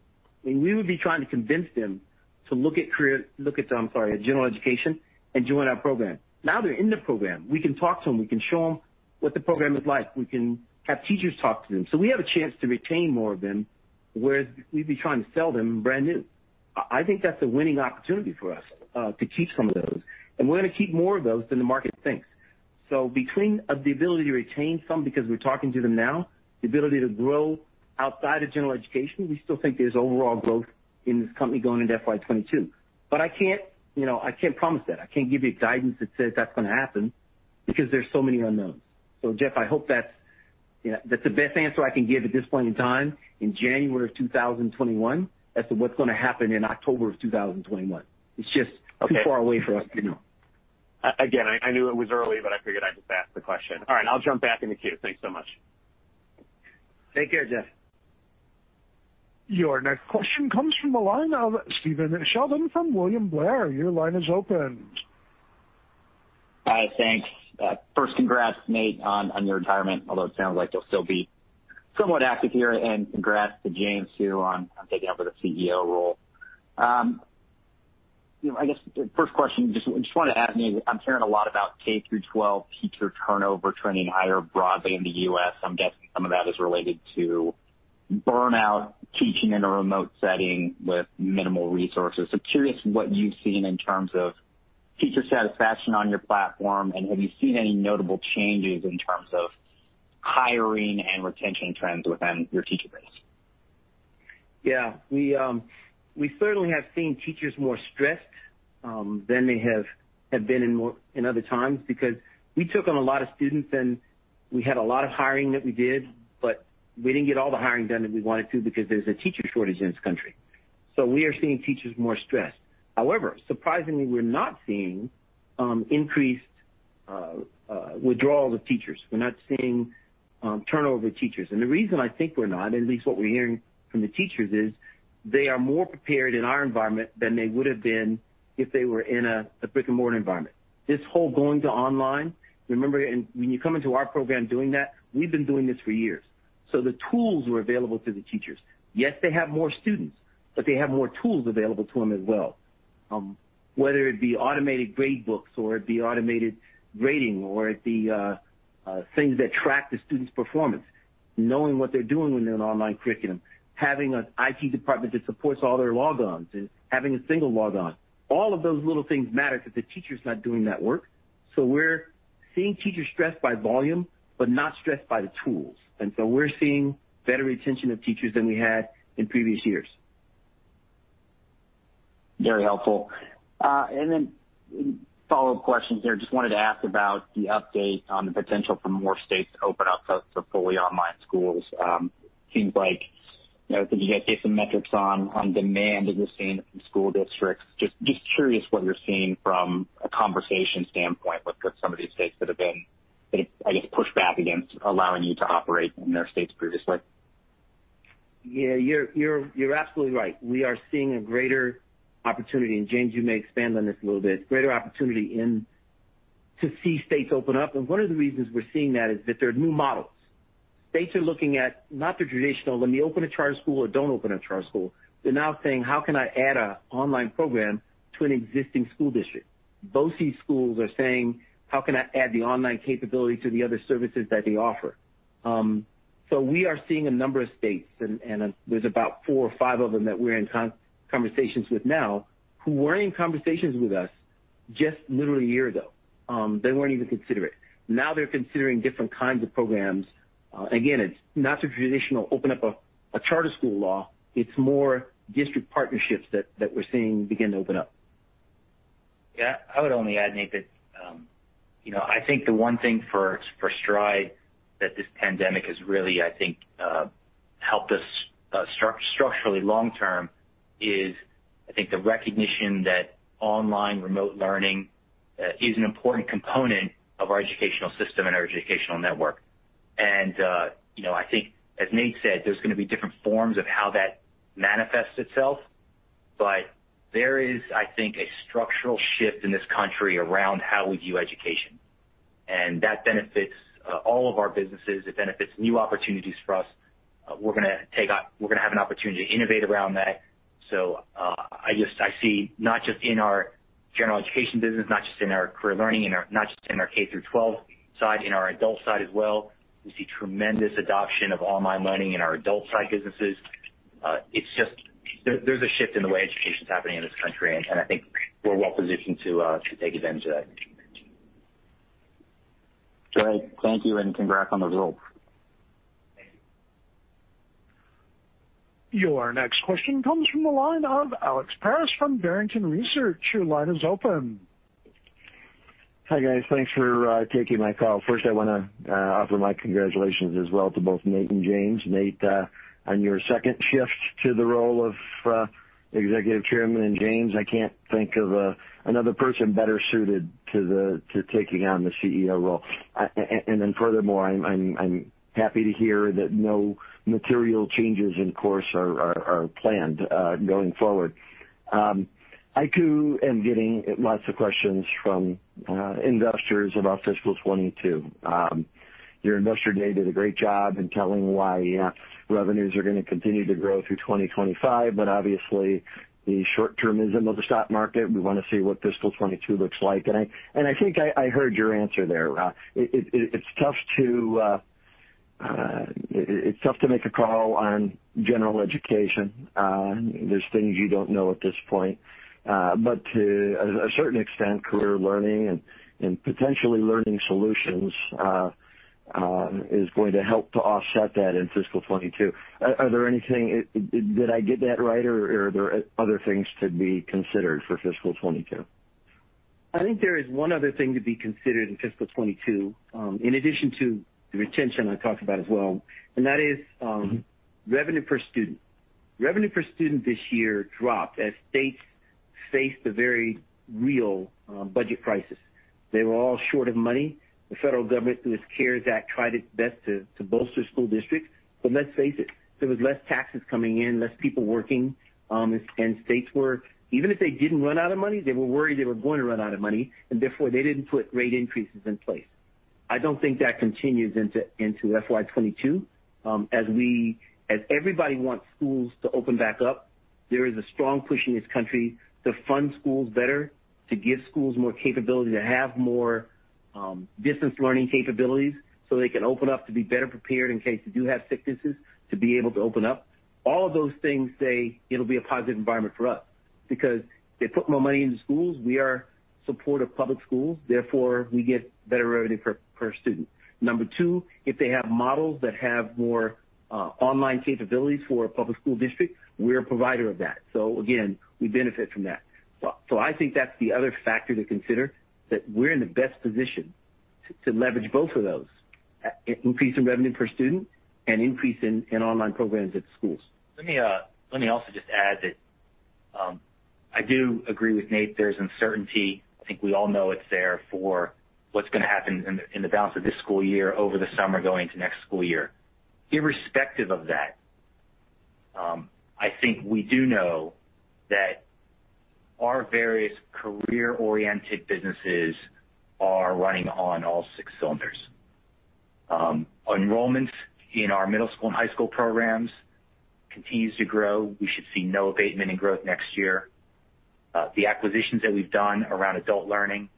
We would be trying to convince them to look at General Education and join our program. Now they're in the program. We can talk to them. We can show them what the program is like. We can have teachers talk to them. We have a chance to retain more of them, whereas we'd be trying to sell them brand new. I think that's a winning opportunity for us to keep some of those, and we're going to keep more of those than the market thinks. Between the ability to retain some because we're talking to them now, the ability to grow outside of General Education, we still think there's overall growth in this company going into FY 2022. I can't promise that. I can't give you guidance that says that's going to happen because there's so many unknowns. Jeff, I hope that's the best answer I can give at this point in time, in January of 2021, as to what's going to happen in October of 2021. It's just too far away for us to know. Again, I knew it was early, but I figured I'd just ask the question. All right. I'll jump back in the queue. Thanks so much. Take care, Jeff. Your next question comes from the line of Stephen Sheldon from William Blair. Your line is open. Thanks. First, congrats, Nate, on your retirement, although it sounds like you'll still be somewhat active here, and congrats to James, too, on taking over the CEO role. I guess the first question, just wanted to ask, Nate, I'm hearing a lot about K-12 teacher turnover trending higher broadly in the U.S. I'm guessing some of that is related to burnout, teaching in a remote setting with minimal resources. Curious what you've seen in terms of teacher satisfaction on your platform, and have you seen any notable changes in terms of hiring and retention trends within your teacher base? We certainly have seen teachers more stressed than they have been in other times because we took on a lot of students and we had a lot of hiring that we did, but we didn't get all the hiring done that we wanted to because there's a teacher shortage in this country. We are seeing teachers more stressed. However, surprisingly, we're not seeing increased withdrawal of teachers. We're not seeing turnover of teachers. The reason I think we're not, at least what we're hearing from the teachers, is they are more prepared in our environment than they would have been if they were in a brick-and-mortar environment. This whole going to online, remember, when you come into our program doing that, we've been doing this for years. The tools were available to the teachers. They have more students, they have more tools available to them as well. Whether it be automated grade books or it be automated grading, or it be things that track the students' performance, knowing what they're doing when they're in online curriculum, having an IT department that supports all their logons, and having a single logon. All of those little things matter because the teacher's not doing that work. We're seeing teachers stressed by volume, but not stressed by the tools. We're seeing better retention of teachers than we had in previous years. Very helpful. Follow-up questions there. Just wanted to ask about the update on the potential for more states to open up for fully online schools. Seems like, did you guys get some metrics on demand that you're seeing from school districts? Just curious what you're seeing from a conversation standpoint with some of these states that have been, I guess, pushed back against allowing you to operate in their states previously. Yeah, you're absolutely right. We are seeing a greater opportunity, and James, you may expand on this a little bit. This is a greater opportunity to see states open up. One of the reasons we're seeing that is that there are new models. States are looking at not the traditional, let me open a charter school or don't open a charter school. They're now saying, how can I add a online program to an existing school district? BOCES schools are saying, how can I add the online capability to the other services that they offer? We are seeing a number of states, and there's about four or five of them that we're in conversations with now who weren't in conversations with us just literally a year ago. They weren't even considering it. Now they're considering different kinds of programs. Again, it's not the traditional open up a charter school law. It's more district partnerships that we're seeing begin to open up. Yeah. I would only add, Nate, that I think the one thing for Stride that this pandemic has really, I think, helped us structurally long term is, I think the recognition that online remote learning is an important component of our educational system and our educational network. I think, as Nate said, there's going to be different forms of how that manifests itself. There is, I think, a structural shift in this country around how we view education. That benefits all of our businesses. It benefits new opportunities for us. We're going to have an opportunity to innovate around that. I see not just in our General Education business, not just in our Career Learning, not just in our K-12 side, in our Adult side as well. We see tremendous adoption of online learning in our Adult-side businesses. There's a shift in the way education's happening in this country. I think we're well positioned to take advantage of that. Great. Thank you. Congrats on the role. Thank you. Your next question comes from the line of Alex Paris from Barrington Research. Your line is open. Hi, guys. Thanks for taking my call. First, I want to offer my congratulations as well to both Nate and James. Nate, on your second shift to the role of Executive Chairman, and James, I can't think of another person better suited to taking on the CEO role. Furthermore, I'm happy to hear that no material changes in course are planned going forward. I, too, am getting lots of questions from investors about fiscal 2022. Your investor day did a great job in telling why revenues are going to continue to grow through 2025. Obviously, the short-termism of the stock market, we want to see what fiscal 2022 looks like. I think I heard your answer there. It's tough to make a call on General Education. There's things you don't know at this point. To a certain extent, Career Learning and potentially learning solutions is going to help to offset that in fiscal 2022. Did I get that right or are there other things to be considered for fiscal 2022? I think there is one other thing to be considered in fiscal 2022, in addition to the retention I talked about as well, and that is revenue per student. Revenue per student this year dropped as states faced a very real budget crisis. They were all short of money. The federal government, through its CARES Act, tried its best to bolster school districts. Let's face it, there was less taxes coming in, less people working, and states were, even if they didn't run out of money, they were worried they were going to run out of money, and therefore, they didn't put rate increases in place. I don't think that continues into FY 2022. As everybody wants schools to open back up, there is a strong push in this country to fund schools better, to give schools more capability to have more distance learning capabilities so they can open up to be better prepared in case they do have sicknesses to be able to open up. All of those things say it'll be a positive environment for us because they put more money into schools. We are in support of public schools, therefore, we get better revenue per student. Number two, if they have models that have more online capabilities for a public school district, we're a provider of that. Again, we benefit from that. I think that's the other factor to consider, that we're in the best position to leverage both of those: increase in revenue per student and increase in online programs at the schools. Let me also just add that I do agree with Nate. There's uncertainty. I think we all know it's there for what's going to happen in the balance of this school year, over the summer, going into next school year. Irrespective of that, I think we do know that our various career-oriented businesses are running on all six cylinders. Enrollment in our middle school and high school programs continues to grow. We should see no abatement in growth next year. The acquisitions that we've done around Adult Learning,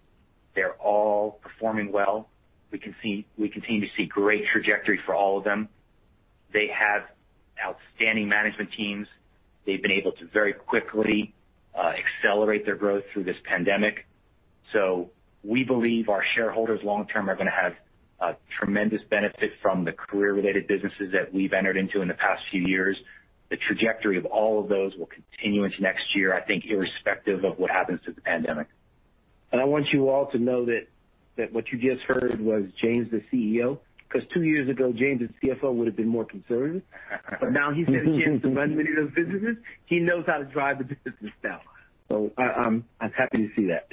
they're all performing well. We continue to see great trajectory for all of them. They have outstanding management teams. They've been able to very quickly accelerate their growth through this pandemic. We believe our shareholders long term are going to have a tremendous benefit from the career-related businesses that we've entered into in the past few years. The trajectory of all of those will continue into next year, I think, irrespective of what happens to the pandemic. I want you all to know that what you just heard was James, the CEO. Two years ago, James, the CFO, would have been more conservative. Now he's had a chance to run many of those businesses. He knows how to drive the business now. I'm happy to see that.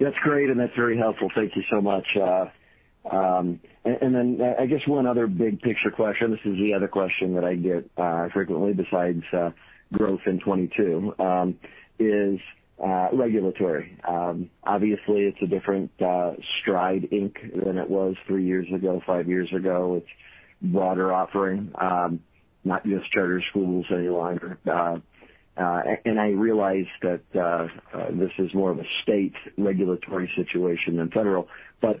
That's great, and that's very helpful. Thank you so much. Then I guess one other big picture question. This is the other question that I get frequently besides growth in 2022, is regulatory. Obviously, it's a different Stride, Inc. than it was three years ago, five years ago with broader offering, not just charter schools any longer. I realize that this is more of a state regulatory situation than federal, but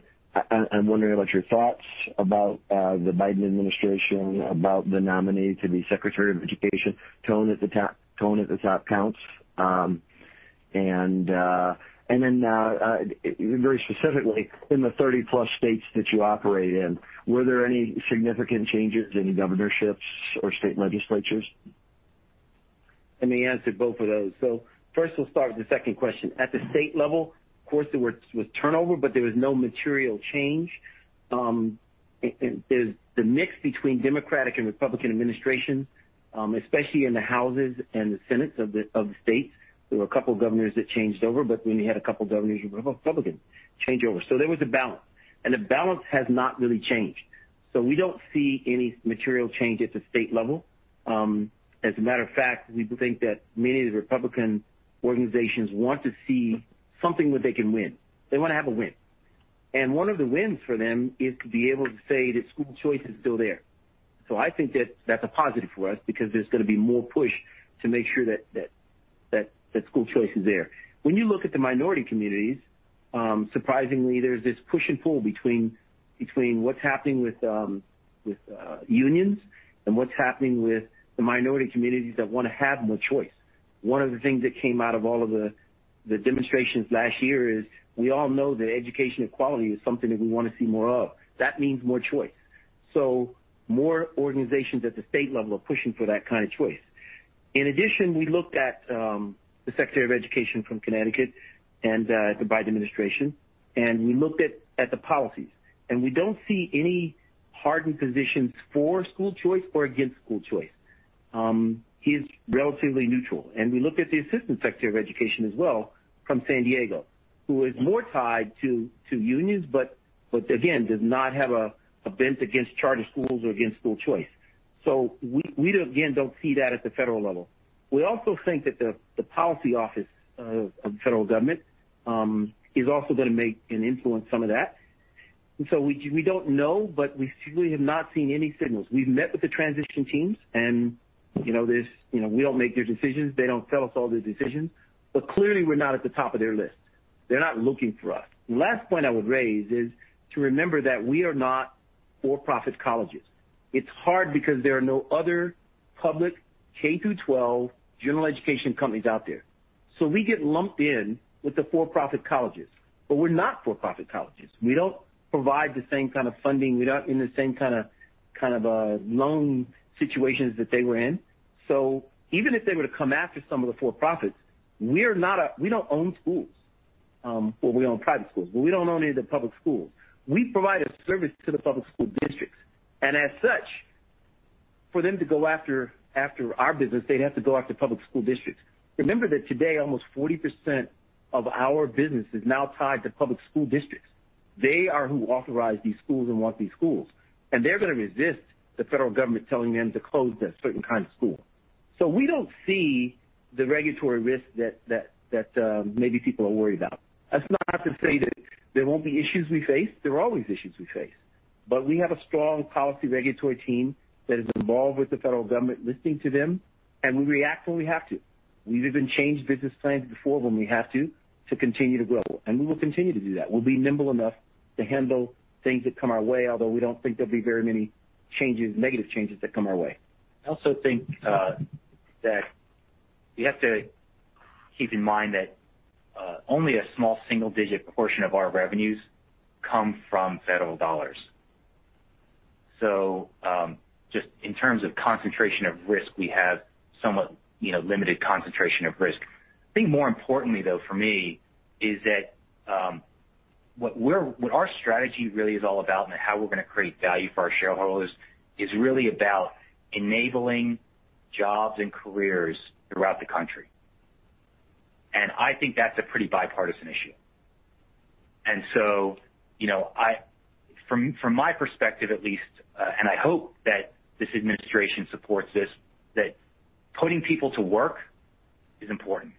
I'm wondering about your thoughts about the Biden administration, about the nominee to be Secretary of Education. Tone at the top counts. Then very specifically in the 30-plus states that you operate in, were there any significant changes, any governorships or state legislatures? Let me answer both of those. First, we'll start with the second question. At the state level, of course, there was turnover, but there was no material change. The mix between Democratic and Republican administration, especially in the Houses and the Senates of the states. There were a couple governors that changed over, but then you had a couple governors who were Republican change over. There was a balance. The balance has not really changed. We don't see any material change at the state level. As a matter of fact, we think that many of the Republican organizations want to see something where they can win. They want to have a win. One of the wins for them is to be able to say that school choice is still there. I think that's a positive for us because there's going to be more push to make sure that school choice is there. When you look at the minority communities, surprisingly, there's this push and pull between what's happening with unions and what's happening with the minority communities that want to have more choice. One of the things that came out of all of the demonstrations last year is we all know that education equality is something that we want to see more of. That means more choice. More organizations at the state level are pushing for that kind of choice. In addition, we looked at the Secretary of Education from Connecticut and the Biden administration, and we looked at the policies, and we don't see any hardened positions for school choice or against school choice. He is relatively neutral. We looked at the Assistant Secretary of Education as well from San Diego, who is more tied to unions, but again, does not have a bent against charter schools or against school choice. We, again, don't see that at the federal level. We also think that the policy office of the federal government is also going to make and influence some of that. We don't know, but we have not seen any signals. We've met with the transition teams and we don't make their decisions. They don't tell us all their decisions. Clearly, we're not at the top of their list. They're not looking for us. The last point I would raise is to remember that we are not for-profit colleges. It's hard because there are no other public K-12 general education companies out there. We get lumped in with the for-profit colleges, but we're not for-profit colleges. We don't provide the same kind of funding. We're not in the same kind of loan situations that they were in. Even if they were to come after some of the for-profits, we don't own schools. Well, we own private schools, but we don't own any of the public schools. We provide a service to the public school districts, and as such, for them to go after our business, they'd have to go after public school districts. Remember that today, almost 40% of our business is now tied to public school districts. They are who authorize these schools and want these schools, and they're going to resist the federal government telling them to close this certain kind of school. We don't see the regulatory risk that maybe people are worried about. That's not to say that there won't be issues we face. There are always issues we face, but we have a strong policy regulatory team that is involved with the federal government, listening to them, and we react when we have to. We've even changed business plans before when we have to continue to grow, and we will continue to do that. We'll be nimble enough to handle things that come our way, although we don't think there'll be very many negative changes that come our way. I also think that you have to keep in mind that only a small single-digit proportion of our revenues come from federal dollars. Just in terms of concentration of risk, we have somewhat limited concentration of risk. I think more importantly, though, for me, is that what our strategy really is all about and how we're going to create value for our shareholders is really about enabling jobs and careers throughout the country. I think that's a pretty bipartisan issue. From my perspective at least, and I hope that this administration supports this, that putting people to work is important.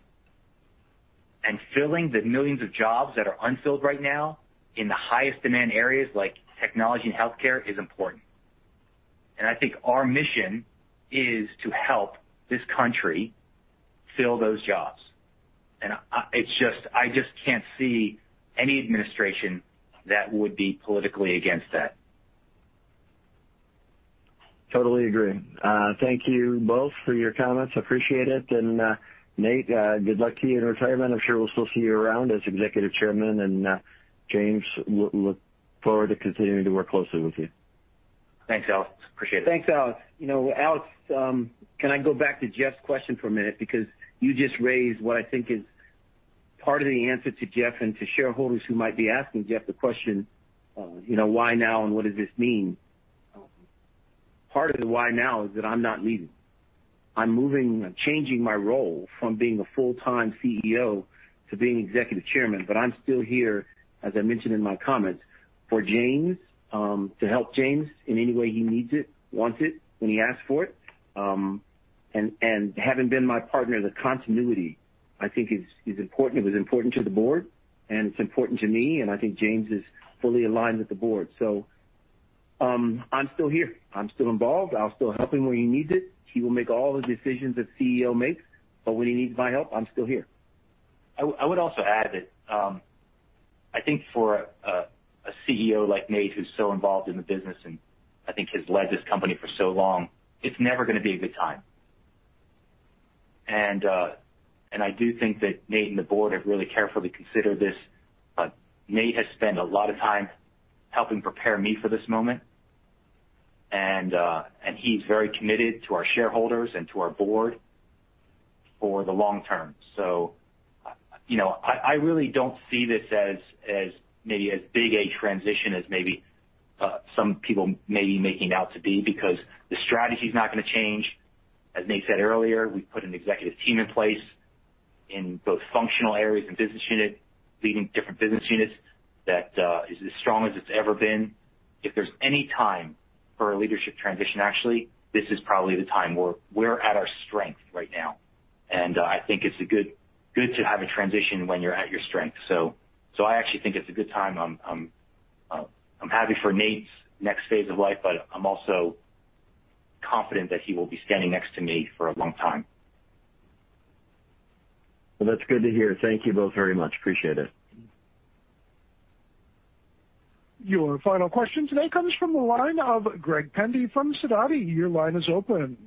Filling the millions of jobs that are unfilled right now in the highest demand areas like technology and healthcare is important. I think our mission is to help this country fill those jobs. I just can't see any administration that would be politically against that. Totally agree. Thank you both for your comments. Appreciate it. Nate, good luck to you in retirement. I'm sure we'll still see you around as Executive Chairman. James, look forward to continuing to work closely with you. Thanks, Alex. Appreciate it. Thanks, Alex. Alex, can I go back to Jeff's question for a minute? You just raised what I think is part of the answer to Jeff and to shareholders who might be asking Jeff the question, why now and what does this mean? Part of the why now is that I'm not leaving. I'm moving. I'm changing my role from being a full-time CEO to being Executive Chairman. I'm still here, as I mentioned in my comments, for James, to help James in any way he needs it, wants it, when he asks for it. Having been my partner, the continuity, I think is important. It was important to the board, and it's important to me, and I think James is fully aligned with the board. I'm still here. I'm still involved. I'll still help him where he needs it. He will make all the decisions a CEO makes, but when he needs my help, I'm still here. I would also add that I think for a CEO like Nate, who's so involved in the business, and I think has led this company for so long, it's never going to be a good time. I do think that Nate and the board have really carefully considered this. Nate has spent a lot of time helping prepare me for this moment, and he's very committed to our shareholders and to our board for the long term. I really don't see this as maybe as big a transition as maybe some people may be making out to be, because the strategy's not going to change. As Nate said earlier, we put an executive team in place in both functional areas and business unit, leading different business units, that is as strong as it's ever been. If there's any time for a leadership transition, actually, this is probably the time where we're at our strength right now, and I think it's good to have a transition when you're at our strength. I actually think it's a good time. I'm happy for Nate's next phase of life, but I'm also confident that he will be standing next to me for a long time. Well, that's good to hear. Thank you both very much. Appreciate it. Your final question today comes from the line of Greg Pendy from Sidoti. Your line is open.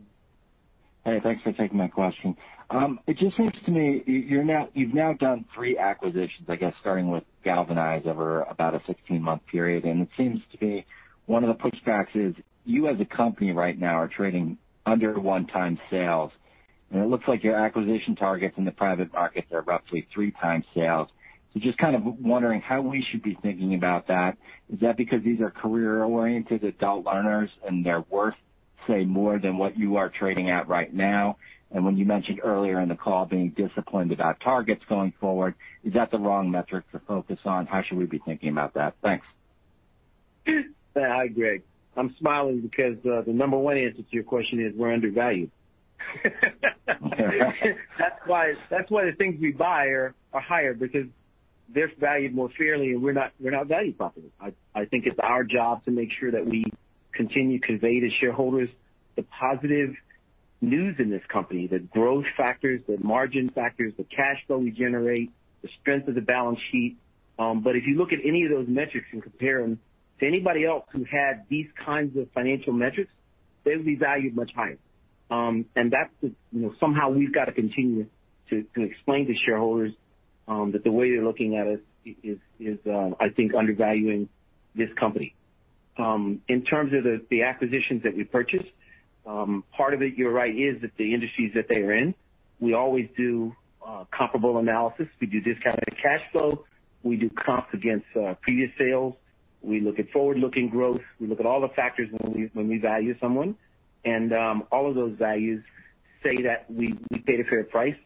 Hey, thanks for taking my question. It just seems to me, you've now done three acquisitions, I guess starting with Galvanize over about a 16-month period, and it seems to be one of the pushbacks is you as a company right now are trading under one-time sales, and it looks like your acquisition targets in the private markets are roughly three times sales. Just kind of wondering how we should be thinking about that. Is that because these are career-oriented adult learners and they're worth, say, more than what you are trading at right now? When you mentioned earlier in the call being disappointed about targets going forward, is that the wrong metric to focus on? How should we be thinking about that? Thanks. Hi, Greg. I'm smiling because the number one answer to your question is we're undervalued. That's why the things we buy are higher, because they're valued more fairly, and we're not valued properly. I think it's our job to make sure that we continue to convey to shareholders the positive news in this company, the growth factors, the margin factors, the cash flow we generate, the strength of the balance sheet. If you look at any of those metrics and compare them to anybody else who had these kinds of financial metrics, they would be valued much higher. Somehow we've got to continue to explain to shareholders that the way they're looking at us is, I think, undervaluing this company. In terms of the acquisitions that we purchased, part of it, you're right, is the industries that they are in. We always do comparable analysis. We do discounted cash flow. We do comps against previous sales. We look at forward-looking growth. We look at all the factors when we value someone. All of those values say that we paid a fair price.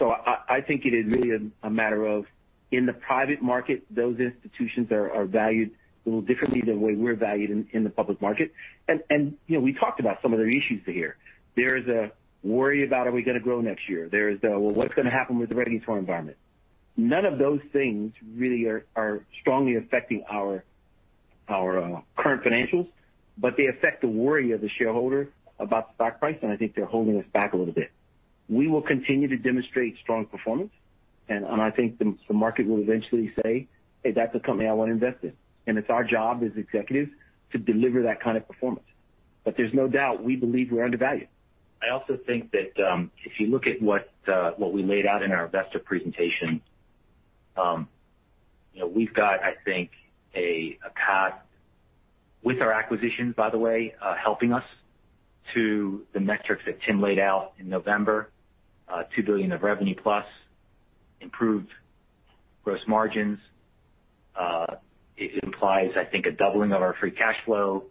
I think it is really a matter of in the private market, those institutions are valued a little differently than the way we're valued in the public market. We talked about some of their issues here. There is a worry about are we going to grow next year? There is a, what's going to happen with the regulatory environment? None of those things really are strongly affecting our current financials, but they affect the worry of the shareholder about the stock price, and I think they're holding us back a little bit. We will continue to demonstrate strong performance, and I think the market will eventually say, "Hey, that's a company I want to invest in." It's our job as executives to deliver that kind of performance. There's no doubt we believe we're undervalued. I also think that if you look at what we laid out in our investor presentation, we've got, I think, a path with our acquisitions, by the way, helping us to the metrics that Tim laid out in November, $2 billion of revenue plus, improved gross margins. It implies, I think, a doubling of our free cash flow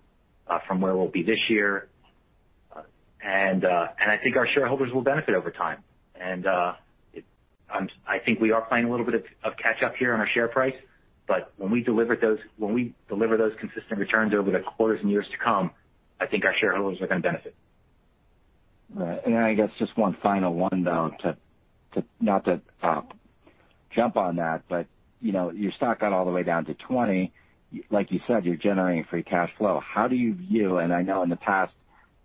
from where we'll be this year. I think our shareholders will benefit over time. I think we are playing a little bit of catch up here on our share price, but when we deliver those consistent returns over the quarters and years to come, I think our shareholders are going to benefit. Right. I guess just one final one, though, not to jump on that, but your stock got all the way down to 20. Like you said, you're generating free cash flow. How do you view, and I know in the past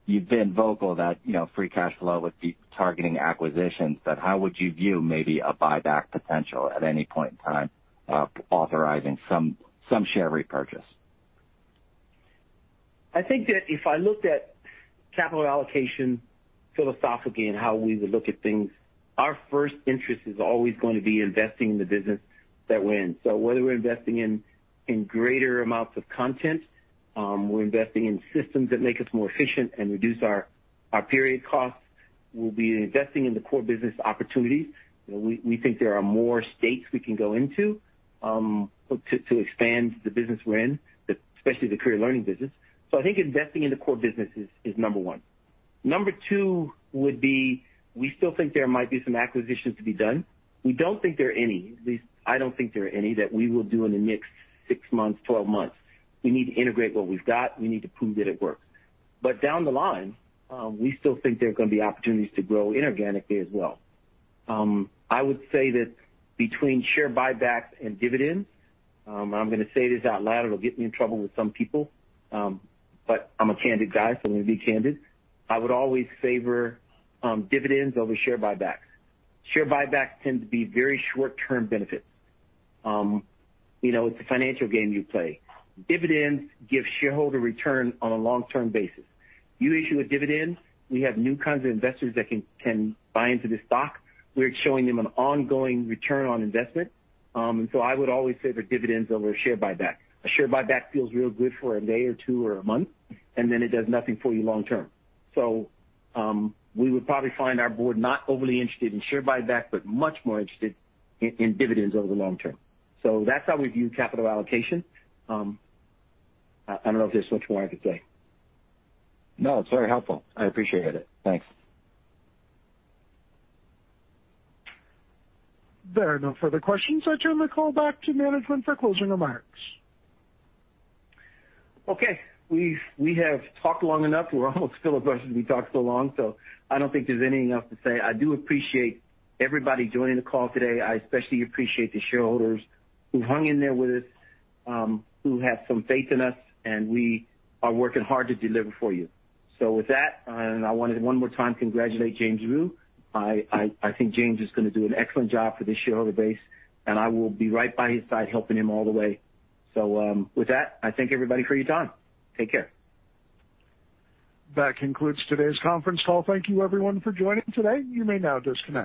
you've been vocal that free cash flow would be targeting acquisitions, but how would you view maybe a buyback potential at any point in time of authorizing some share repurchase? I think that if I looked at capital allocation philosophically and how we would look at things, our first interest is always going to be investing in the business that we're in. Whether we're investing in greater amounts of content, we're investing in systems that make us more efficient and reduce our period costs. We'll be investing in the core business opportunities. We think there are more states we can go into to expand the business we're in, especially the Career Learning business. I think investing in the core business is number one. Number two would be, we still think there might be some acquisitions to be done. We don't think there are any, at least I don't think there are any that we will do in the next six months, 12 months. We need to integrate what we've got. We need to prove that it works. Down the line, we still think there are going to be opportunities to grow inorganically as well. I would say that between share buybacks and dividends, and I'm going to say this out loud, it'll get me in trouble with some people, but I'm a candid guy, so I'm going to be candid. I would always favor dividends over share buybacks. Share buybacks tend to be very short-term benefits. It's a financial game you play. Dividends give shareholder return on a long-term basis. You issue a dividend, we have new kinds of investors that can buy into this stock. We're showing them an ongoing return on investment. I would always favor dividends over a share buyback. A share buyback feels real good for a day or two or a month, and then it does nothing for you long-term. We would probably find our board not overly interested in share buyback, but much more interested in dividends over the long term. That's how we view capital allocation. I don't know if there's much more I could say. No, it's very helpful. I appreciate it. Thanks. There are no further questions. I turn the call back to management for closing remarks. We have talked long enough. We're almost full as we talk so long. I don't think there's anything else to say. I do appreciate everybody joining the call today. I especially appreciate the shareholders who hung in there with us, who have some faith in us. We are working hard to deliver for you. With that, I want to one more time congratulate James Rhyu. I think James is going to do an excellent job for this shareholder base. I will be right by his side helping him all the way. With that, I thank everybody for your time. Take care. That concludes today's conference call. Thank you, everyone, for joining today. You may now disconnect.